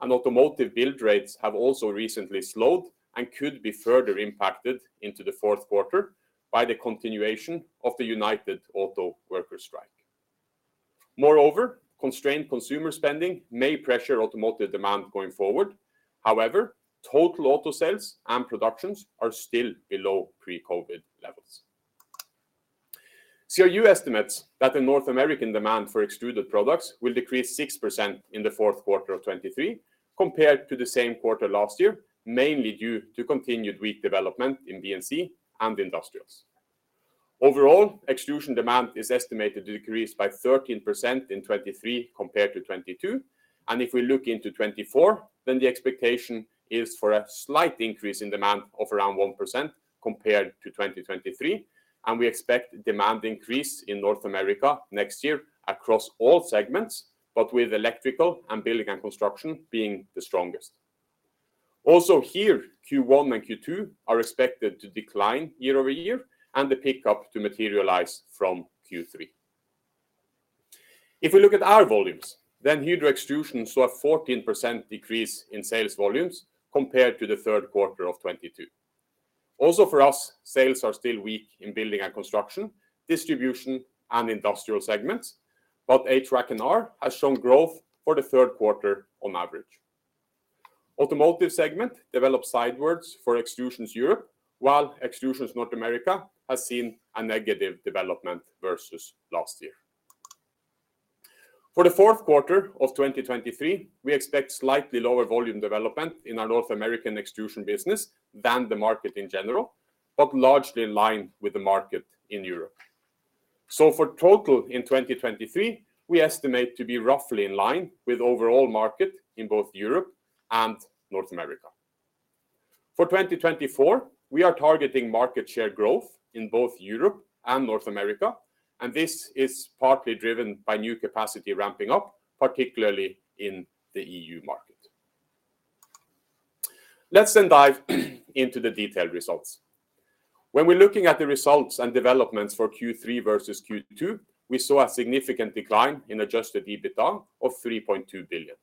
S4: and automotive build rates have also recently slowed and could be further impacted into the fourth quarter by the continuation of the United Auto Workers strike. Moreover, constrained consumer spending may pressure automotive demand going forward. However, total auto sales and productions are still below pre-COVID levels. CRU estimates that the North American demand for extruded products will decrease 6% in the fourth quarter of 2023 compared to the same quarter last year, mainly due to continued weak development in B&C and industrials. Overall, extrusion demand is estimated to decrease by 13% in 2023 compared to 2022, and if we look into 2024, then the expectation is for a slight increase in demand of around 1% compared to 2023, and we expect demand increase in North America next year across all segments, but with electrical and building and construction being the strongest. Also here, Q1 and Q2 are expected to decline year-over-year and the pickup to materialize from Q3. If we look at our volumes, then Hydro Extrusion saw a 14% decrease in sales volumes compared to the third quarter of 2022. Also, for us, sales are still weak in Building and Construction, Distribution and Industrial segments, but HVAC&R has shown growth for the third quarter on average. Automotive segment developed sidewards for Extrusions Europe, while Extrusions North America has seen a negative development versus last year. For the fourth quarter of 2023, we expect slightly lower volume development in our North American extrusion business than the market in general, but largely in line with the market in Europe. So for total in 2023, we estimate to be roughly in line with overall market in both Europe and North America. For 2024, we are targeting market share growth in both Europe and North America, and this is partly driven by new capacity ramping up, particularly in the EU market. Let's then dive into the detailed results. When we're looking at the results and developments for Q3 versus Q2, we saw a significant decline in adjusted EBITDA of 3.2 billion.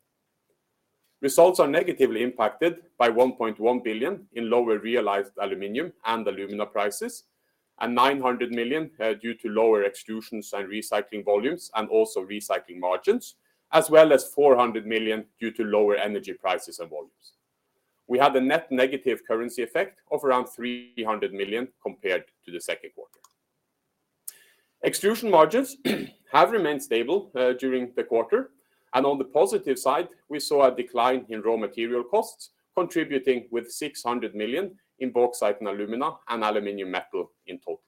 S4: Results are negatively impacted by 1.1 billion in lower realized aluminium and alumina prices, and 900 million due to lower extrusions and Recycling volumes and also Recycling margins, as well as 400 million due to lower energy prices and volumes. We had a net negative currency effect of around 300 million compared to the second quarter. Extrusion margins have remained stable during the quarter, and on the positive side, we saw a decline in raw material costs, contributing with 600 million in Bauxite & Alumina and Aluminium Metal in total.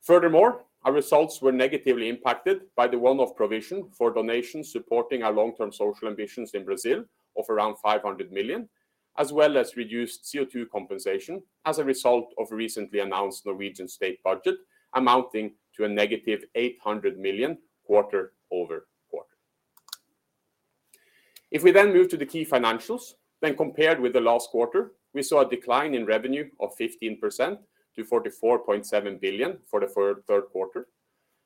S4: Furthermore, our results were negatively impacted by the one-off provision for donations supporting our long-term social ambitions in Brazil of around 500 million, as well as reduced CO2 compensation as a result of recently announced Norwegian state budget, amounting to a -800 million quarter-over-quarter. If we then move to the key financials, when compared with the last quarter, we saw a decline in revenue of 15% to 44.7 billion for the third quarter,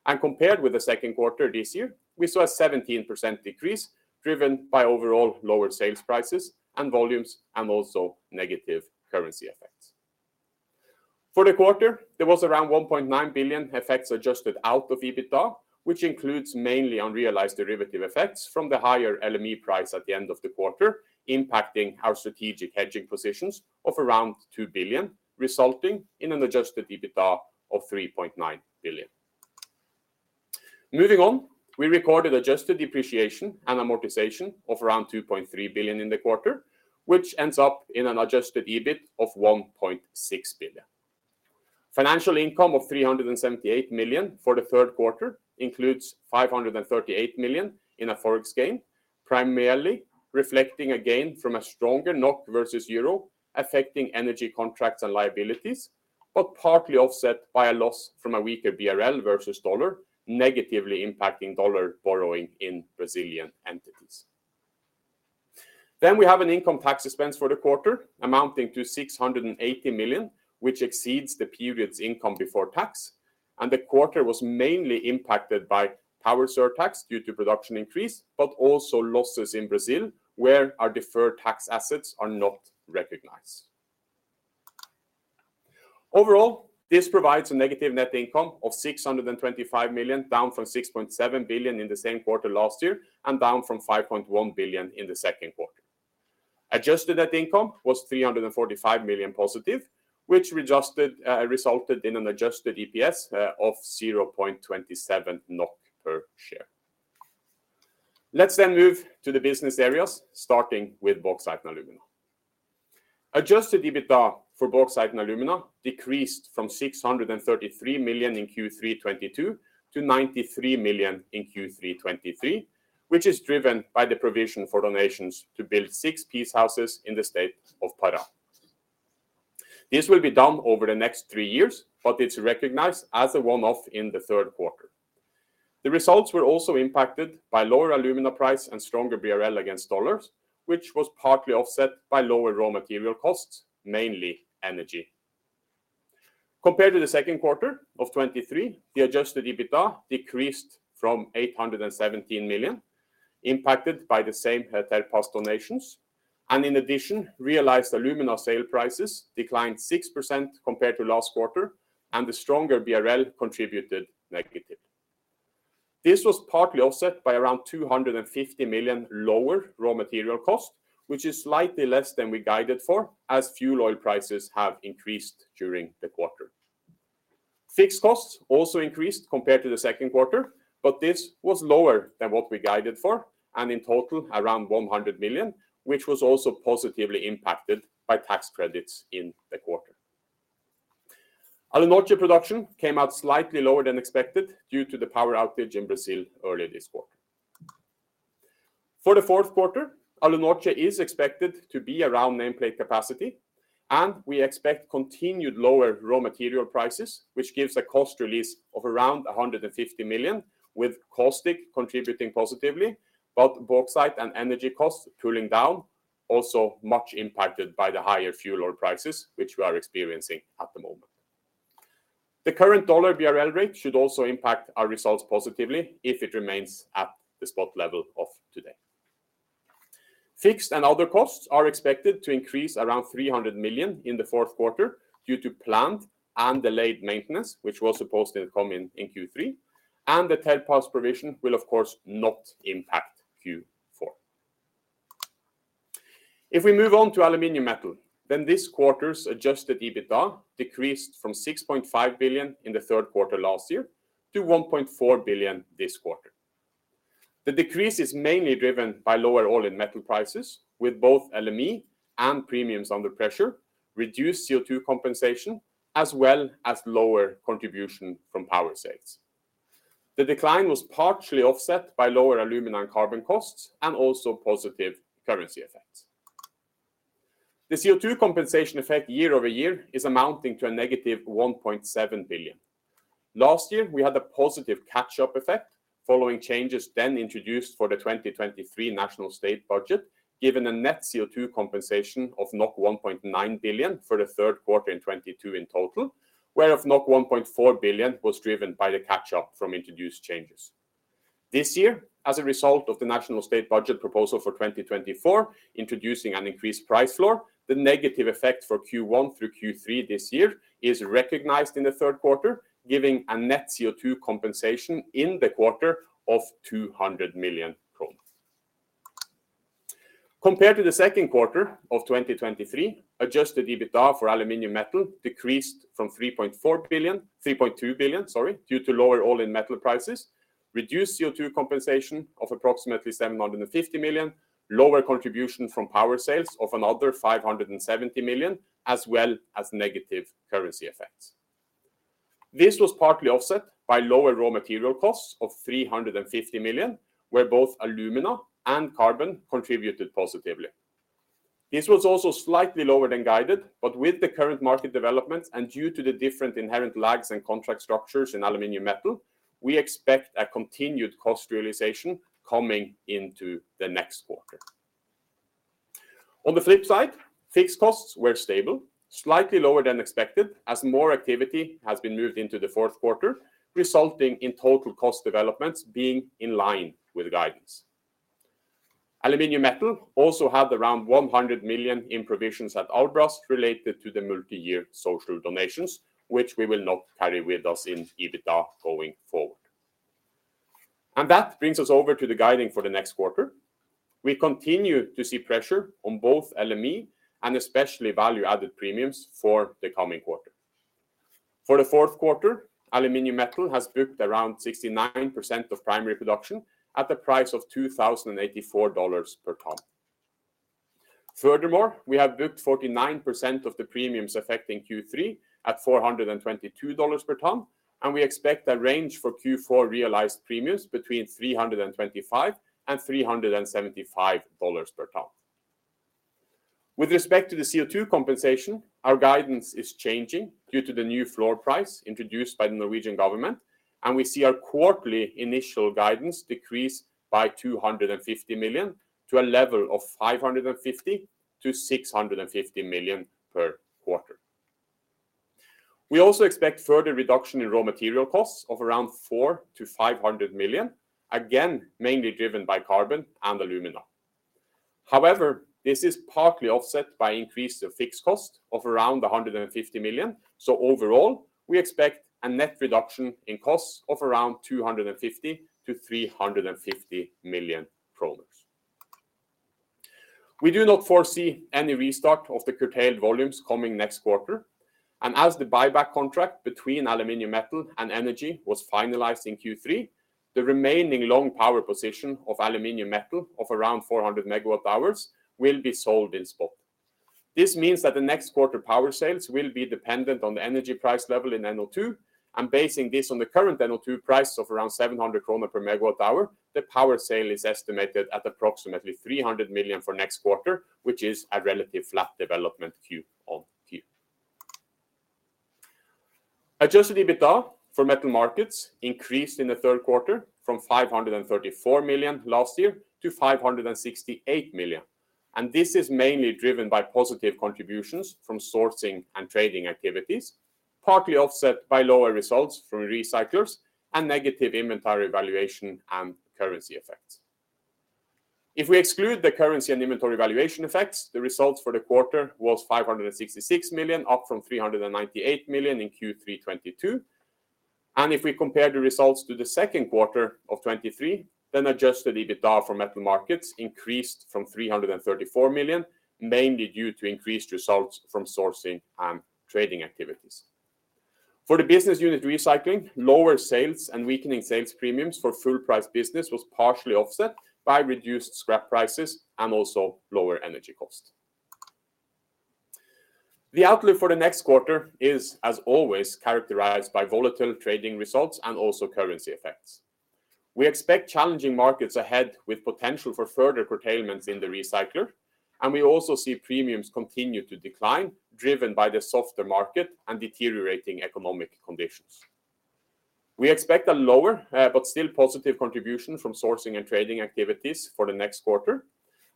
S4: and compared with the second quarter this year, we saw a 17% decrease, driven by overall lower sales prices and volumes and also negative currency effects. For the quarter, there was around 1.9 billion effects adjusted out of EBITDA, which includes mainly unrealized derivative effects from the higher LME price at the end of the quarter, impacting our strategic hedging positions of around 2 billion, resulting in an adjusted EBITDA of 3.9 billion. Moving on, we recorded adjusted depreciation and amortization of around 2.3 billion in the quarter, which ends up in an adjusted EBIT of 1.6 billion. Financial income of 378 million for the third quarter includes 538 million in a Forex gain, primarily reflecting a gain from a stronger NOK versus euro, affecting energy contracts and liabilities, but partly offset by a loss from a weaker BRL versus dollar, negatively impacting dollar borrowing in Brazilian entities. Then we have an income tax expense for the quarter, amounting to 680 million, which exceeds the period's income before tax, and the quarter was mainly impacted by power surtax due to production increase, but also losses in Brazil, where our deferred tax assets are not recognized. Overall, this provides a negative net income of 625 million, down from 6.7 billion in the same quarter last year and down from 5.1 billion in the second quarter. Adjusted net income was +345 million, which readjusted resulted in an adjusted EPS of 0.27 NOK per share. Let's then move to the business areas, starting with Bauxite & Alumina. Adjusted EBITDA for Bauxite & Alumina decreased from 633 million in Q3 2022 to 93 million in Q3 2023, which is driven by the provision for donations to build six peace houses in the state of Pará. This will be done over the next three years, but it's recognized as a one-off in the third quarter. The results were also impacted by lower alumina price and stronger BRL against dollars, which was partly offset by lower raw material costs, mainly energy. Compared to the second quarter of 2023, the adjusted EBITDA decreased from 817 million, impacted by the same past donations, and in addition, realized alumina sale prices declined 6% compared to last quarter, and the stronger BRL contributed negatively. This was partly offset by around 250 million lower raw material cost, which is slightly less than we guided for, as fuel oil prices have increased during the quarter. Fixed costs also increased compared to the second quarter, but this was lower than what we guided for, and in total, around 100 million, which was also positively impacted by tax credits in the quarter. Alunorte production came out slightly lower than expected due to the power outage in Brazil earlier this quarter. For the fourth quarter, Alunorte is expected to be around nameplate capacity, and we expect continued lower raw material prices, which gives a cost release of around 150 million, with caustic contributing positively, but bauxite and energy costs cooling down, also much impacted by the higher fuel oil prices, which we are experiencing at the moment. The current dollar-BRL rate should also impact our results positively if it remains at the spot level of today. Fixed and other costs are expected to increase around 300 million in the fourth quarter due to plant and delayed maintenance, which was supposed to come in, in Q3, and the TerPaz provision will, of course, not impact Q4. If we move on to Aluminium Metal, then this quarter's adjusted EBITDA decreased from 6.5 billion in the third quarter last year to 1.4 billion this quarter. The decrease is mainly driven by lower all-in metal prices, with both LME and premiums under pressure, reduced CO2 compensation, as well as lower contribution from power sales. The decline was partially offset by lower alumina and carbon costs and also positive currency effects. The CO2 compensation effect year-over-year is amounting to a -1.7 billion. Last year, we had a positive catch-up effect following changes then introduced for the 2023 national state budget, giving a net CO2 compensation of 1.9 billion for the third quarter in 2022 in total, whereof 1.4 billion was driven by the catch-up from introduced changes. This year, as a result of the national state budget proposal for 2024, introducing an increased price floor, the negative effect for Q1 through Q3 this year is recognized in the third quarter, giving a net CO2 compensation in the quarter of 200 million kroner. Compared to the second quarter of 2023, adjusted EBITDA for Aluminium Metal decreased from 3.4 billion—3.2 billion, sorry, due to lower all-in metal prices, reduced CO2 compensation of approximately 750 million, lower contribution from power sales of another 570 million, as well as negative currency effects. This was partly offset by lower raw material costs of 350 million, where both alumina and carbon contributed positively. This was also slightly lower than guided, but with the current market developments and due to the different inherent lags and contract structures in Aluminium Metal, we expect a continued cost realization coming into the next quarter. On the flip side, fixed costs were stable, slightly lower than expected, as more activity has been moved into the fourth quarter, resulting in total cost developments being in line with guidance. Aluminium Metal also had around $100 million in provisions at Albras related to the multi-year social donations, which we will not carry with us in EBITDA going forward. That brings us over to the guidance for the next quarter. We continue to see pressure on both LME and especially value-added premiums for the coming quarter. For the fourth quarter, Aluminium Metal has booked around 69% of primary production at the price of $2,084 per ton. Furthermore, we have booked 49% of the premiums affecting Q3 at $422 per ton, and we expect a range for Q4 realized premiums between $325 and $375 per ton. With respect to the CO2 compensation, our guidance is changing due to the new floor price introduced by the Norwegian government, and we see our quarterly initial guidance decrease by 250 million to a level of 550 million-650 million per quarter. We also expect further reduction in raw material costs of around 400 million-500 million, again, mainly driven by carbon and alumina. However, this is partly offset by increase in fixed cost of around 150 million. So overall, we expect a net reduction in costs of around 250 million-350 million kroners. We do not foresee any restart of the curtailed volumes coming next quarter, and as the buyback contract between Aluminium Metal and Energy was finalized in Q3, the remaining long power position of Aluminium Metal of around 400 MWh will be sold in spot. This means that the next quarter power sales will be dependent on the energy price level in NO2, and basing this on the current NO2 price of around 700 krone per MWh, the power sale is estimated at approximately 300 million for next quarter, which is a relative flat development Q on Q. Adjusted EBITDA for Metal Markets increased in the third quarter from 534 million last year to 568 million, and this is mainly driven by positive contributions from sourcing and trading activities, partly offset by lower results from recyclers and negative inventory valuation and currency effects. If we exclude the currency and inventory valuation effects, the results for the quarter was 566 million, up from 398 million in Q3 2022. If we compare the results to the second quarter of 2023, then adjusted EBITDA for Metal Markets increased from 334 million, mainly due to increased results from sourcing and trading activities. For the business unit Recycling, lower sales and weakening sales premiums for full price business was partially offset by reduced scrap prices and also lower energy costs. The outlook for the next quarter is, as always, characterized by volatile trading results and also currency effects. We expect challenging markets ahead, with potential for further curtailments in the recycler, and we also see premiums continue to decline, driven by the softer market and deteriorating economic conditions. We expect a lower, but still positive contribution from sourcing and trading activities for the next quarter.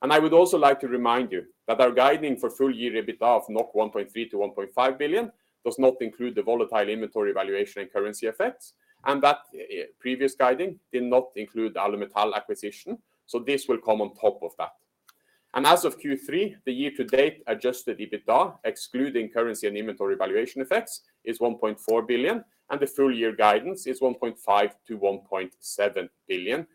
S4: And I would also like to remind you that our guiding for full-year EBITDA of 1.3 billion-1.5 billion does not include the volatile inventory valuation and currency effects, and that, previous guiding did not include the Alumetal acquisition, so this will come on top of that. As of Q3, the year-to-date adjusted EBITDA, excluding currency and inventory valuation effects, is 1.4 billion, and the full-year guidance is 1.5-1.7 billion,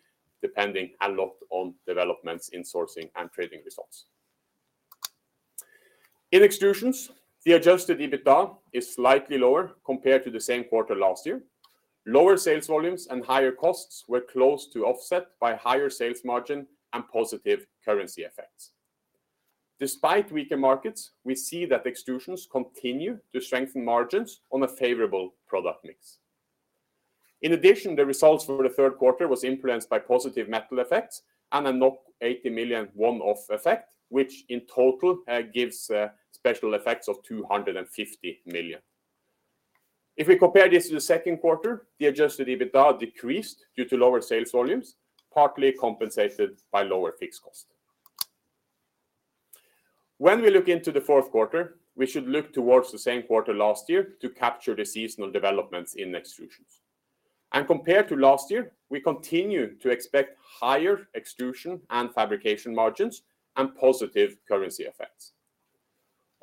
S4: depending a lot on developments in sourcing and trading results. In Extrusions, the adjusted EBITDA is slightly lower compared to the same quarter last year. Lower sales volumes and higher costs were close to offset by higher sales margin and positive currency effects. Despite weaker markets, we see that Extrusions continue to strengthen margins on a favorable product mix. In addition, the results for the third quarter was influenced by positive metal effects and a 80 million one-off effect, which in total gives special effects of 250 million. If we compare this to the second quarter, the adjusted EBITDA decreased due to lower sales volumes, partly compensated by lower fixed cost. When we look into the fourth quarter, we should look towards the same quarter last year to capture the seasonal developments in extrusions. Compared to last year, we continue to expect higher extrusion and fabrication margins and positive currency effects.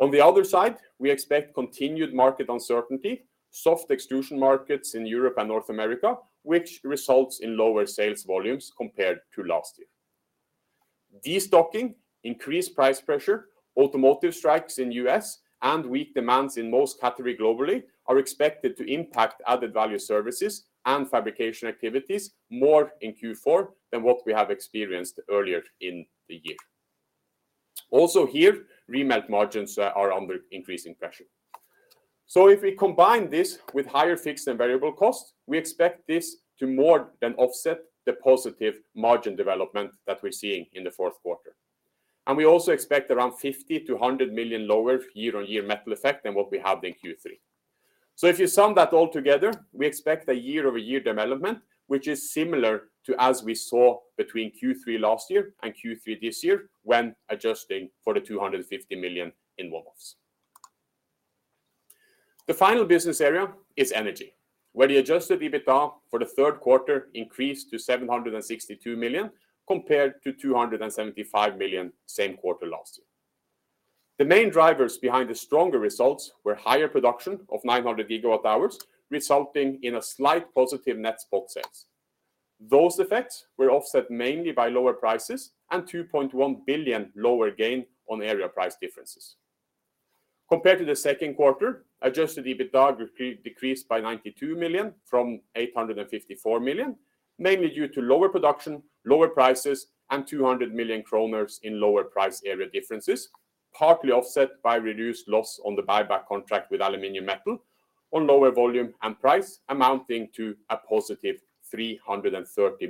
S4: On the other side, we expect continued market uncertainty, soft extrusion markets in Europe and North America, which results in lower sales volumes compared to last year. Destocking, increased price pressure, automotive strikes in U.S., and weak demands in most category globally are expected to impact added value services and fabrication activities more in Q4 than what we have experienced earlier in the year. Also here, remelt margins are under increasing pressure. So if we combine this with higher fixed and variable costs, we expect this to more than offset the positive margin development that we're seeing in the fourth quarter. We also expect around 50-100 million lower year-on-year metal effect than what we have in Q3. So if you sum that all together, we expect a year-over-year development, which is similar to as we saw between Q3 last year and Q3 this year when adjusting for the 250 million in one-offs. The final business area is Energy, where the adjusted EBITDA for the third quarter increased to 762 million, compared to 275 million same quarter last year. The main drivers behind the stronger results were higher production of 900 GWh, resulting in a slight positive net spot sales. Those effects were offset mainly by lower prices and 2.1 billion lower gain on area price differences. Compared to the second quarter, adjusted EBITDA decreased, decreased by 92 million from 854 million, mainly due to lower production, lower prices, and 200 million kroner in lower price area differences, partly offset by reduced loss on the buyback contract with Aluminium Metal on lower volume and price, amounting to a +330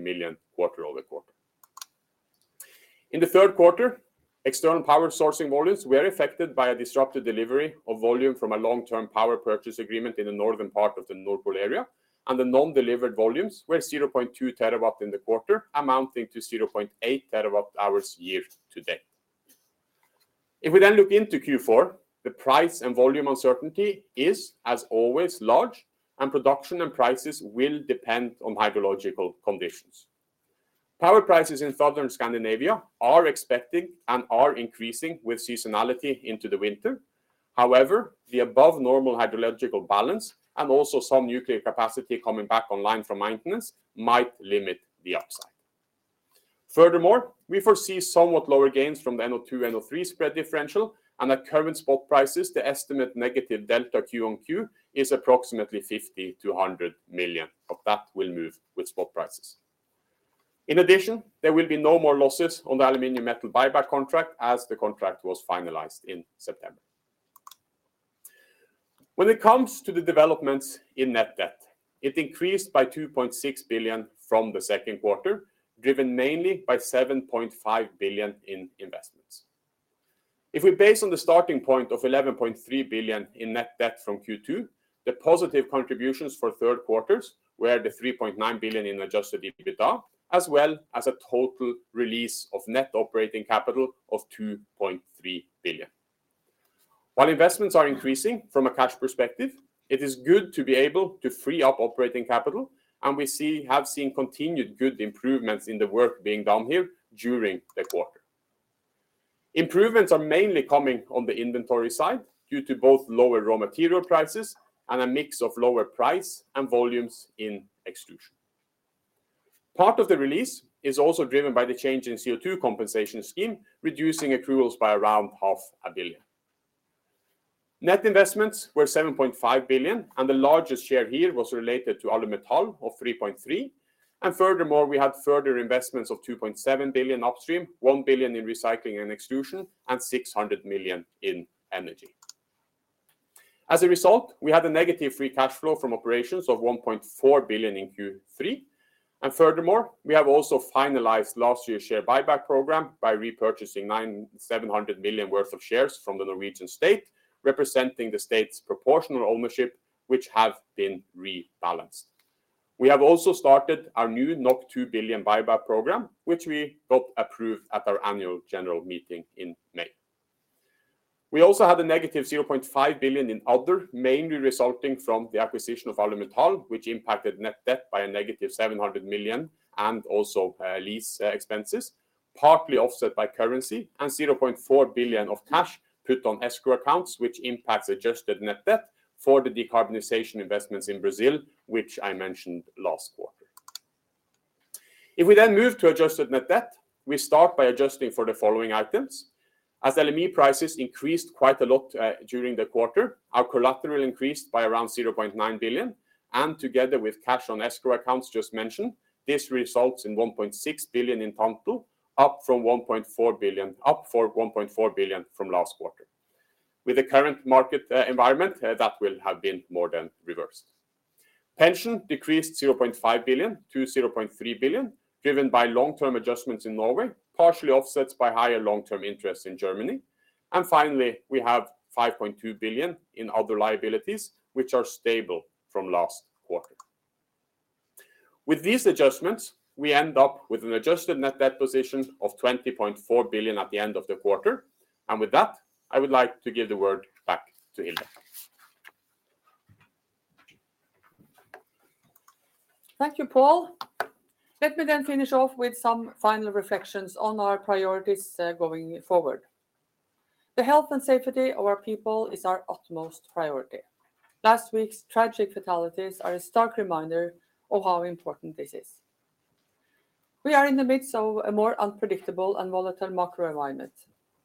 S4: million quarter-over-quarter. In the third quarter, external power sourcing volumes were affected by a disrupted delivery of volume from a long-term power purchase agreement in the northern part of the Nord Pool area, and the non-delivered volumes were 0.2 TWh in the quarter, amounting to 0.8 TWh year to date. If we then look into Q4, the price and volume uncertainty is, as always, large, and production and prices will depend on hydrological conditions. Power prices in Southern Scandinavia are expected and are increasing with seasonality into the winter. However, the above normal hydrological balance and also some nuclear capacity coming back online from maintenance might limit the upside. Furthermore, we foresee somewhat lower gains from the NO2, NO3 spread differential, and at current spot prices, the estimate negative delta Q on Q is approximately 50-100 million, but that will move with spot prices. In addition, there will be no more losses on the Aluminium Metal buyback contract as the contract was finalized in September. When it comes to the developments in net debt, it increased by 2.6 billion from the second quarter, driven mainly by 7.5 billion in investments. If we base on the starting point of 11.3 billion in net debt from Q2, the positive contributions for third quarters were the 3.9 billion in adjusted EBITDA, as well as a total release of net operating capital of 2.3 billion. While investments are increasing from a cash perspective, it is good to be able to free up operating capital, and we have seen continued good improvements in the work being done here during the quarter. Improvements are mainly coming on the inventory side due to both lower raw material prices and a mix of lower price and volumes in extrusion. Part of the release is also driven by the change in CO2 compensation scheme, reducing accruals by around 0.5 billion. Net investments were 7.5 billion, and the largest share here was related to Alumetal of 3.3. Furthermore, we had further investments of 2.7 billion upstream, 1 billion in Recycling and Extrusion, and 600 million in energy. As a result, we had a negative free cash flow from operations of 1.4 billion in Q3. Furthermore, we have also finalized last year's share buyback program by repurchasing seven hundred million worth of shares from the Norwegian state, representing the state's proportional ownership, which have been rebalanced. We have also started our new 2 billion buyback program, which we got approved at our annual general meeting in May. We also had a -0.5 billion in other, mainly resulting from the acquisition of Alumetal, which impacted net debt by a -700 million, and also lease expenses, partly offset by currency and 0.4 billion of cash put on escrow accounts, which impacts adjusted net debt for the decarbonization investments in Brazil, which I mentioned last quarter. If we then move to adjusted net debt, we start by adjusting for the following items. As LME prices increased quite a lot during the quarter, our collateral increased by around 0.9 billion, and together with cash on escrow accounts just mentioned, this results in 1.6 billion in intangibles, up from 1.4 billion-up 1.4 billion from last quarter. With the current market environment, that will have been more than reversed. Pension decreased 0.5 billion to 0.3 billion, driven by long-term adjustments in Norway, partially offsets by higher long-term interest in Germany. And finally, we have 5.2 billion in other liabilities, which are stable from last quarter. With these adjustments, we end up with an adjusted net debt position of 20.4 billion at the end of the quarter, and with that, I would like to give the word back to Hilde.
S2: Thank you, Pål. Let me then finish off with some final reflections on our priorities, going forward. The health and safety of our people is our utmost priority. Last week's tragic fatalities are a stark reminder of how important this is. We are in the midst of a more unpredictable and volatile macro environment,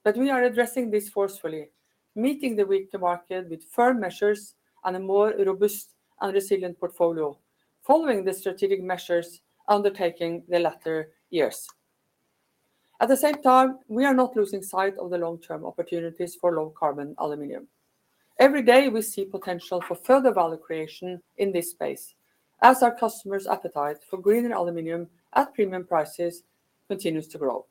S2: but we are addressing this forcefully, meeting the weak market with firm measures and a more robust and resilient portfolio, following the strategic measures undertaking the latter years. At the same time, we are not losing sight of the long-term opportunities for low-carbon aluminium. Every day, we see potential for further value creation in this space, as our customers' appetite for greener aluminium at premium prices continues to grow.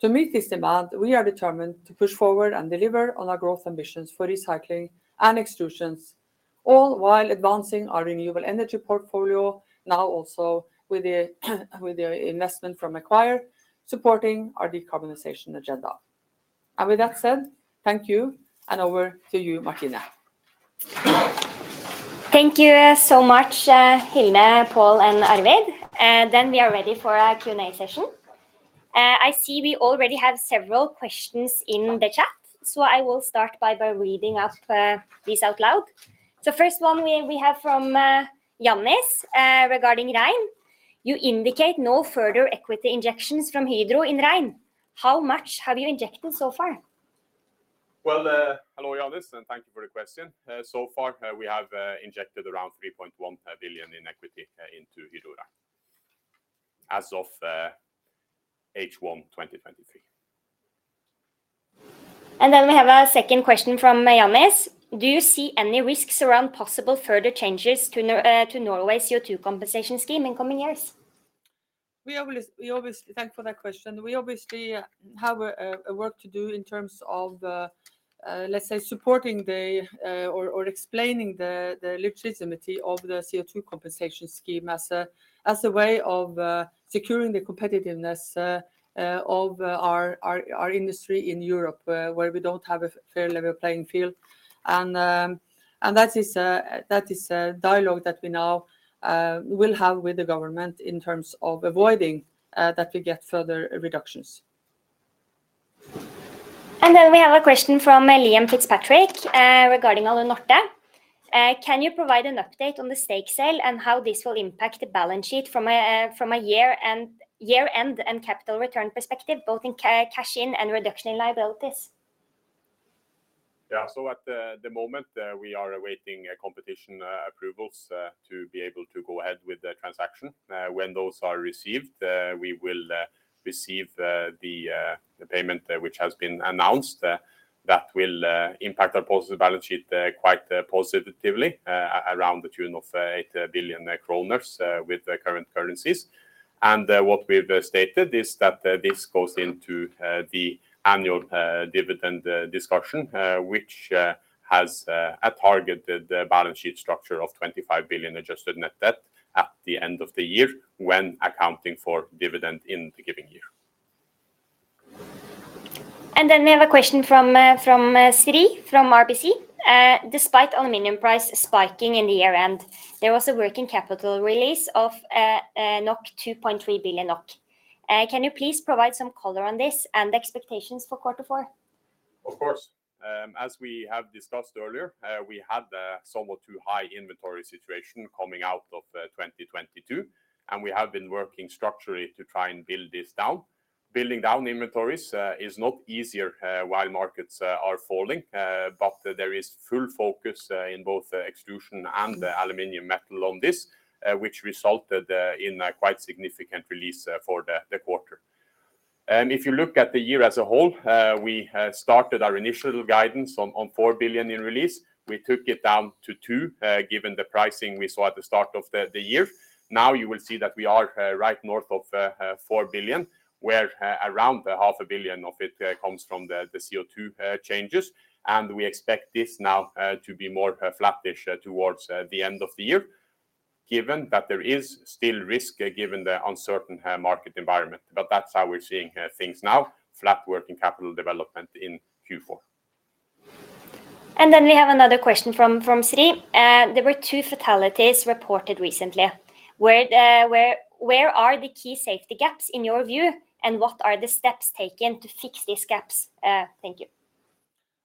S2: To meet this demand, we are determined to push forward and deliver on our growth ambitions for Recycling and Extrusions, all while advancing our renewable energy portfolio, now also with the investment from Macquarie, supporting our decarbonization agenda. And with that said, thank you, and over to you, Martine.
S1: Thank you, so much, Hilde, Pål, and Arvid. Then we are ready for our Q&A session. I see we already have several questions in the chat, so I will start by reading up these out loud. So first one we have from Yannis, regarding Rein: You indicate no further equity injections from Hydro in Rein. How much have you injected so far?
S4: Well, hello, Yannis, and thank you for the question. So far, we have injected around 3.1 billion in equity into Hydro Rein, as of H1 2023.
S1: And then we have a second question from Yannis: Do you see any risks around possible further changes to Norway's CO2 compensation scheme in coming years?
S2: Thank you for that question. We obviously have a work to do in terms of, let's say, supporting or explaining the legitimacy of the CO2 compensation scheme as a way of securing the competitiveness of our industry in Europe, where we don't have a fair level playing field. And that is a dialogue that we now will have with the government in terms of avoiding that we get further reductions.
S1: Then we have a question from Liam Fitzpatrick regarding Alunorte. Can you provide an update on the stake sale and how this will impact the balance sheet from a year-end and capital return perspective, both in cash-in and reduction in liabilities?
S4: Yeah. So at the moment, we are awaiting competition approvals to be able to go ahead with the transaction. When those are received, we will receive the payment, which has been announced, that will impact our positive balance sheet quite positively, around the tune of 8 billion kroner with the current currencies. And what we've stated is that this goes into the annual dividend discussion, which has a targeted balance sheet structure of 25 billion adjusted net debt at the end of the year, when accounting for dividend in the given year.
S1: Then we have a question from Sri from HSBC. Despite aluminium price spiking in the year-end, there was a working capital release of 2.3 billion NOK. Can you please provide some color on this and the expectations for quarter four?
S4: Of course. As we have discussed earlier, we had a somewhat too high inventory situation coming out of 2022, and we have been working structurally to try and build this down. Building down inventories is not easier while markets are falling, but there is full focus in both the extrusion and the Aluminium Metal on this, which resulted in a quite significant release for the quarter. And if you look at the year as a whole, we started our initial guidance on 4 billion in release. We took it down to 2 billion, given the pricing we saw at the start of the year. Now you will see that we are right north of 4 billion, where around 0.5 billion of it comes from the CO2 changes, and we expect this now to be more flattish towards the end of the year, given that there is still risk, given the uncertain market environment. But that's how we're seeing things now, flat working capital development in Q4.
S1: And then we have another question from Sri. There were two fatalities reported recently. Where are the key safety gaps in your view, and what are the steps taken to fix these gaps? Thank you.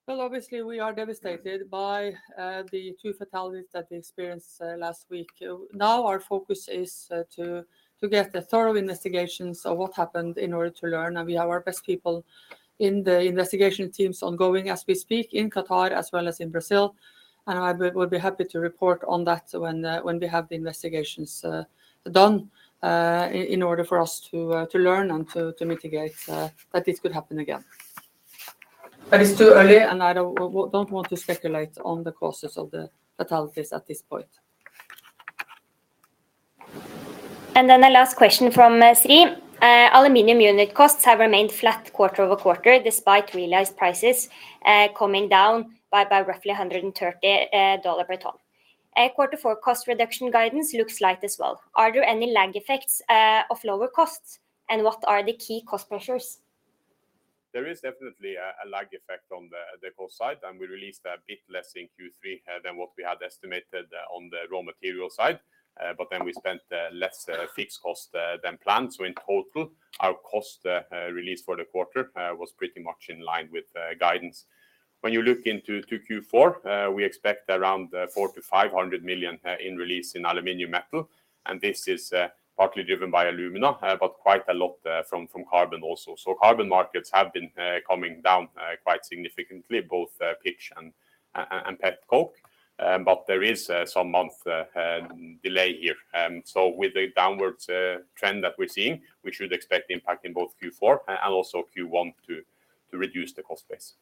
S2: Well, obviously, we are devastated by the two fatalities that we experienced last week. Now our focus is to get a thorough investigations of what happened in order to learn, and we have our best people in the investigation teams ongoing as we speak, in Qatar as well as in Brazil, and I would be happy to report on that when we have the investigations done, in order for us to learn and to mitigate that this could happen again. But it's too early, and I don't want to speculate on the causes of the fatalities at this point.
S1: And then the last question from Sri. Aluminium unit costs have remained flat quarter over quarter, despite realized prices coming down by roughly $130 per ton. Quarter four cost reduction guidance looks light as well. Are there any lag effects of lower costs, and what are the key cost pressures?
S4: There is definitely a lag effect on the cost side, and we released a bit less in Q3 than what we had estimated on the raw material side. But then we spent less fixed cost than planned. So in total, our cost release for the quarter was pretty much in line with guidance. When you look into Q4, we expect around 400 million-500 million in release in Aluminium Metal, and this is partly driven by alumina, but quite a lot from carbon also. So carbon markets have been coming down quite significantly, both pitch and petcoke. But there is some month delay here. So with the downwards trend that we're seeing, we should expect impact in both Q4 and also Q1 to reduce the cost base.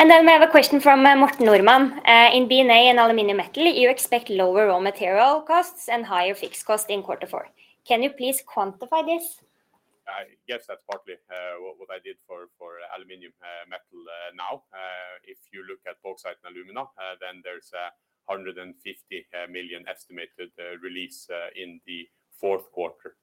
S1: We have a question from Morten Normann. In B&A and Aluminium Metal, you expect lower raw material costs and higher fixed costs in quarter four. Can you please quantify this?
S4: I guess that's partly what I did for Aluminium Metal now. If you look at Bauxite & Alumina, then there's 150 million estimated release in the fourth quarter.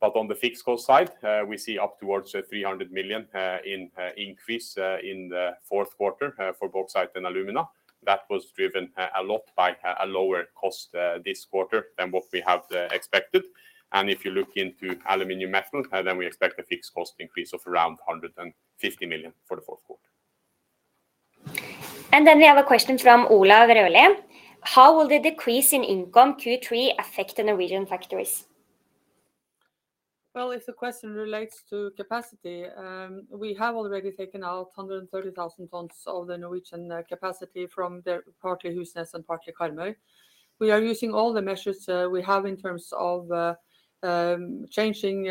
S4: But on the fixed cost side, we see up towards 300 million in increase in the fourth quarter for Bauxite & Alumina. That was driven a lot by a lower cost this quarter than what we had expected. If you look into Aluminium Metal, then we expect a fixed cost increase of around 150 million for the fourth quarter.
S1: Then we have a question from Olav Rødevand. How will the decrease in income Q3 affect the Norwegian factories?
S2: Well, if the question relates to capacity, we have already taken out 130,000 tons of the Norwegian capacity from partly Husnes and partly Karmøy. We are using all the measures we have in terms of changing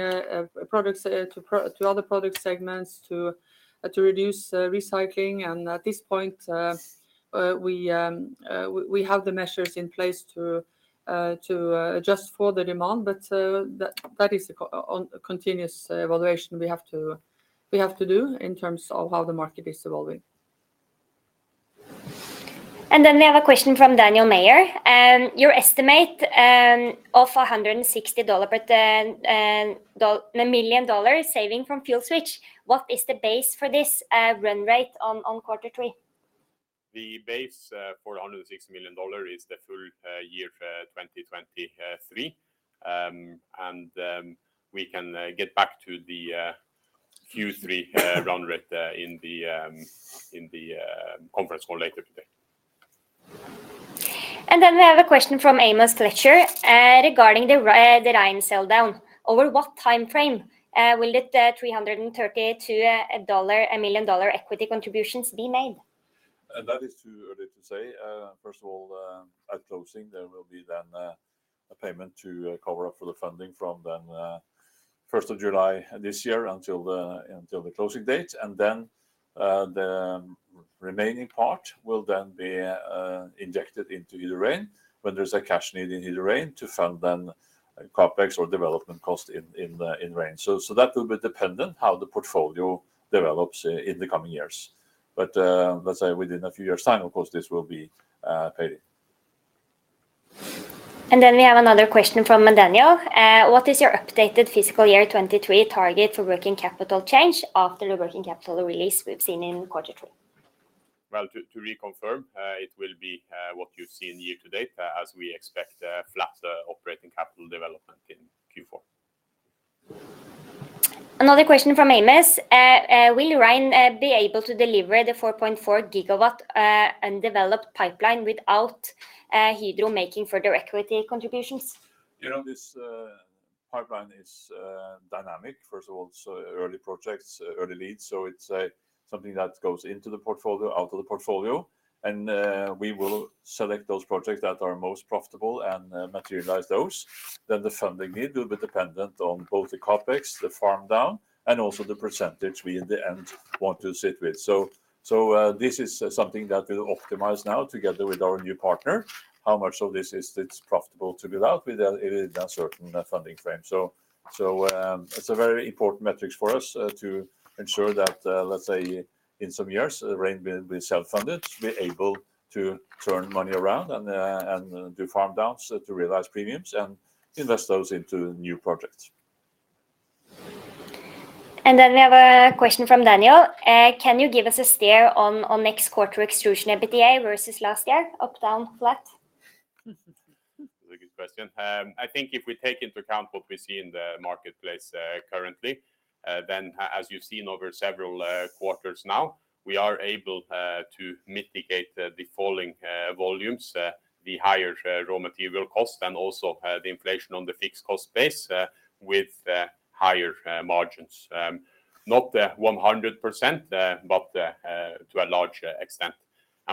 S2: products to other product segments to reduce Recycling, and at this point, we have the measures in place to adjust for the demand, but that is a continuous evaluation we have to do in terms of how the market is evolving.
S1: We have a question from Daniel Major. Your estimate of $160 per $10 million saving from fuel switch, what is the base for this run rate on quarter three?
S4: The base for $160 million is the full year 2023. We can get back to the Q3 run rate in the conference call later today.
S1: Then we have a question from Amos Fletcher regarding the Rein sell down. Over what time frame will the $332 million equity contributions be made?
S3: That is too early to say. First of all, at closing, there will be then a payment to cover up for the funding from then first of July this year until the closing date, and then the remaining part will then be injected into Hydro Rein, when there's a cash need in Hydro Rein, to fund then CapEx or development cost in Rein. So that will be dependent how the portfolio develops in the coming years. But let's say within a few years' time, of course, this will be paid.
S1: We have another question from Daniel. What is your updated fiscal year 2023 target for working capital change after the working capital release we've seen in quarter three?
S4: Well, to reconfirm, it will be what you've seen year to date, as we expect a flatter operating capital development in Q4.
S1: Another question from Amos. Will Hydro Rein be able to deliver the 4.4 GW and develop pipeline without Hydro making further equity contributions?
S3: You know, this pipeline is dynamic. First of all, it's early projects, early leads, so it's something that goes into the portfolio, out of the portfolio, and we will select those projects that are most profitable and materialize those. Then the funding need will be dependent on both the CapEx, the farm down, and also the percentage we in the end want to sit with. So, this is something that we'll optimize now together with our new partner. How much of this is profitable to build out with a certain funding frame? So, it's a very important metrics for us to ensure that, let's say, in some years, Hydro Rein will be self-funded, be able to turn money around and do farm downs to realize premiums and invest those into new projects.
S1: And then we have a question from Daniel. Can you give us a steer on next quarter extrusion EBITDA versus last year, up, down, flat?
S4: That's a good question. I think if we take into account what we see in the marketplace, currently, then as you've seen over several quarters now, we are able to mitigate the falling volumes, the higher raw material cost, and also the inflation on the fixed cost base with higher margins. Not 100%, but to a large extent.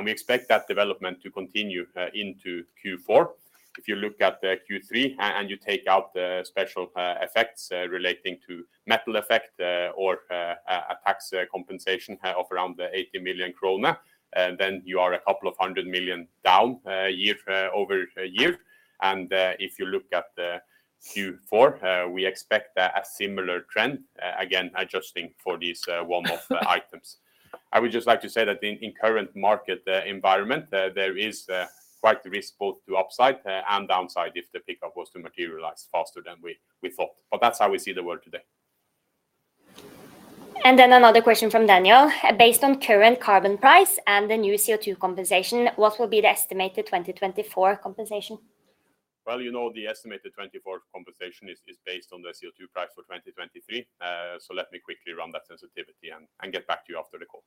S4: We expect that development to continue into Q4. If you look at the Q3 and you take out the special effects relating to metal effect, or a tax compensation of around 80 million krone, then you are a couple of 100 million down year-over-year. If you look at the Q4, we expect a similar trend again, adjusting for these one-off items. I would just like to say that in current market environment, there is quite a risk both to upside and downside if the pickup was to materialize faster than we thought. But that's how we see the world today.
S1: Another question from Daniel: Based on current carbon price and the new CO2 compensation, what will be the estimated 2024 compensation?
S4: Well, you know, the estimated 2024 compensation is based on the CO2 price for 2023. So let me quickly run that sensitivity and get back to you after the call.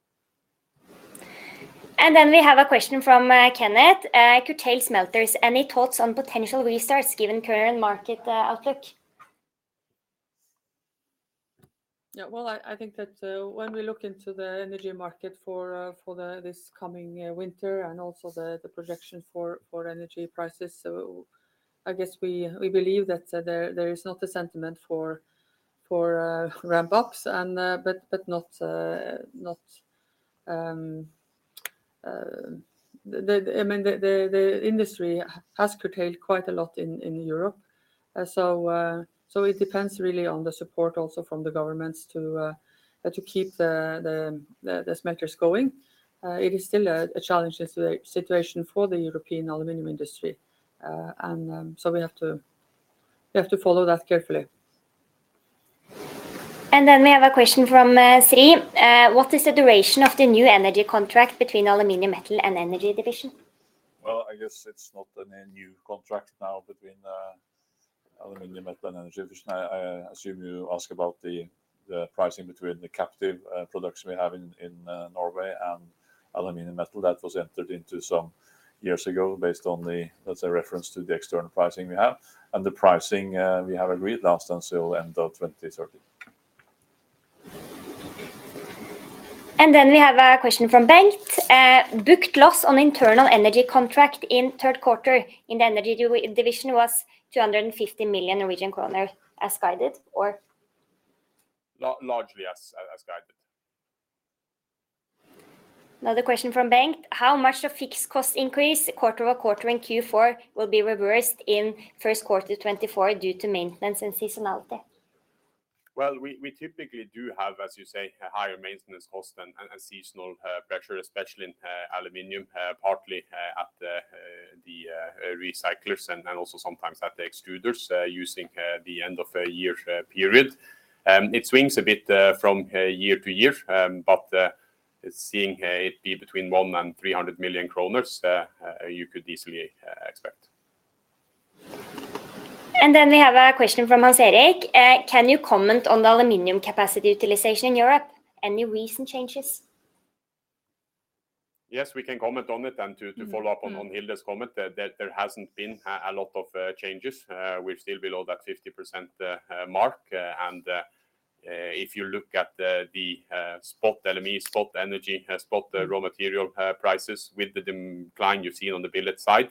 S1: Then we have a question from Kenneth. Curtailed smelters, any thoughts on potential restarts given current market outlook?
S2: Yeah, well, I think that when we look into the energy market for this coming winter and also the projection for energy prices, so I guess we believe that there is not a sentiment for ramp-ups and, but not... I mean, the industry has curtailed quite a lot in Europe. So, it depends really on the support also from the governments to keep the smelters going. It is still a challenging situation for the European aluminium industry, and so we have to follow that carefully.
S1: And then we have a question from Sri. What is the duration of the new energy contract between Aluminium Metal and Energy Division?
S3: Well, I guess it's not a new contract now between Aluminium Metal and Energy Division. I, I assume you ask about the, the pricing between the captive production we have in, in Norway and Aluminium Metal. That was entered into some years ago based on the, as a reference to the external pricing we have, and the pricing we have agreed last until end of 2030.
S1: We have a question from Bengt. Booked loss on internal energy contract in third quarter in the Energy Division was 250 million Norwegian kroner as guided or?
S4: Largely as guided.
S1: Another question from Bengt: How much of fixed cost increase quarter-over-quarter in Q4 will be reversed in first quarter 2024 due to maintenance and seasonality?
S4: Well, we typically do have, as you say, a higher maintenance cost and a seasonal pressure, especially in aluminium, partly at the recyclers and also sometimes at the extruders, using the end of a year period. It swings a bit from year to year, but seeing it be between 100 million and 300 million kroner, you could easily expect.
S1: Then we have a question from Hans-Erik Jacobsen. Can you comment on the aluminium capacity utilization in Europe? Any recent changes?
S4: Yes, we can comment on it and to-
S1: Mm-hmm...
S4: to follow up on Hilde's comment, that there hasn't been a lot of changes. We're still below that 50% mark, and if you look at the spot LME, spot energy, spot raw material prices with the decline you've seen on the billet side,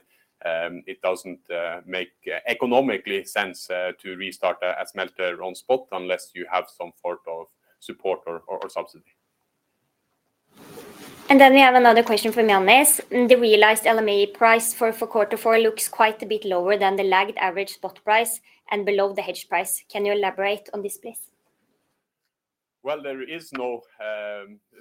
S4: it doesn't make economically sense to restart a smelter on spot unless you have some sort of support or subsidy.
S1: And then we have another question from Yannis. The realized LME price for quarter four looks quite a bit lower than the lagged average spot price and below the hedge price. Can you elaborate on this, please?
S4: Well, there is no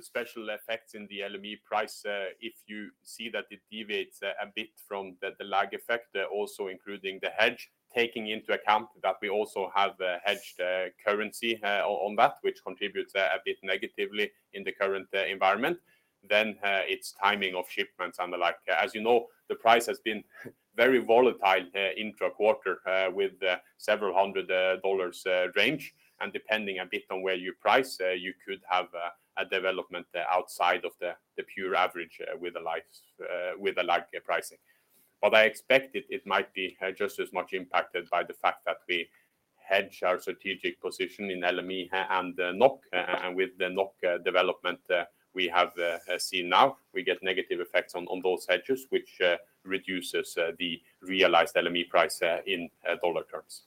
S4: special effects in the LME price. If you see that it deviates a bit from the lag effect, also including the hedge, taking into account that we also have a hedged currency on that, which contributes a bit negatively in the current environment, then it's timing of shipments and the like. As you know, the price has been very volatile intra-quarter with several hundred dollars range, and depending a bit on where you price, you could have a development outside of the pure average with the likes with the lagged pricing. But I expect it might be just as much impacted by the fact that we hedge our strategic position in LME and NOK. With the NOK development we have seen now, we get negative effects on those hedges, which reduces the realized LME price in dollar terms.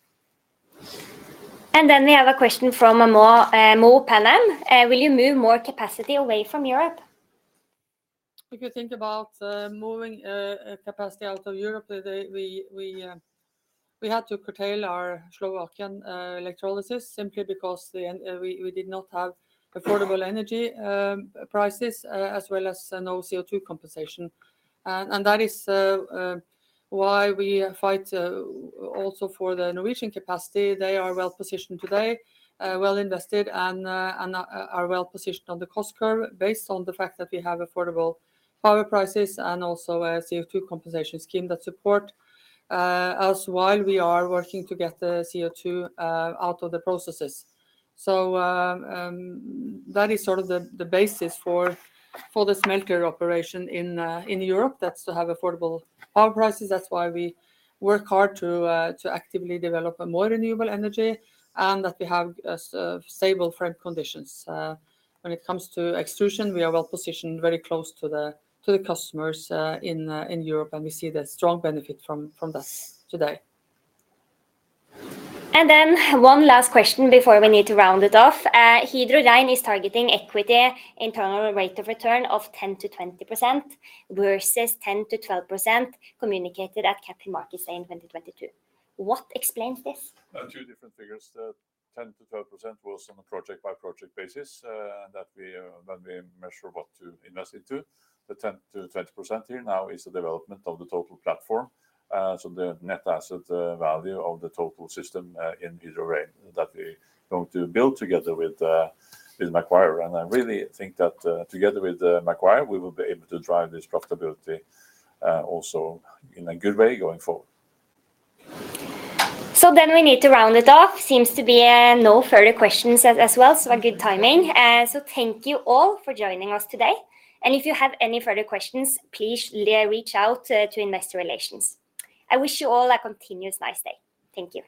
S1: And then we have a question from Memore Mo Panem. Will you move more capacity away from Europe?
S2: If you think about moving capacity out of Europe, they- we, we, we had to curtail our Slovakian electrolysis simply because the en- we, we did not have affordable energy prices as well as no CO2 compensation. And that is why we fight also for the Norwegian capacity. They are well-positioned today, well-invested, and are well-positioned on the cost curve, based on the fact that we have affordable power prices and also a CO2 compensation scheme that support us while we are working to get the CO2 out of the processes. So, that is sort of the basis for the smelter operation in Europe. That's to have affordable power prices. That's why we work hard to actively develop a more renewable energy, and that we have a stable frame conditions. When it comes to extrusion, we are well positioned, very close to the customers in Europe, and we see the strong benefit from this today.
S1: And then one last question before we need to round it off. Hydro Rein is targeting equity internal rate of return of 10%-20%, versus 10%-12% communicated at Capital Markets Day in 2022. What explains this?
S3: Two different figures. The 10%-12% was on a project-by-project basis, and that we, when we measure what to invest into. The 10%-20% here now is the development of the total platform. So the net asset value of the total system in Hydro Rein, that we going to build together with with Macquarie. And I really think that, together with Macquarie, we will be able to drive this profitability also in a good way going forward.
S1: So then we need to round it off. Seems to be no further questions as well, so a good timing. So thank you all for joining us today, and if you have any further questions, please reach out to Investor Relations. I wish you all a continuous nice day. Thank you.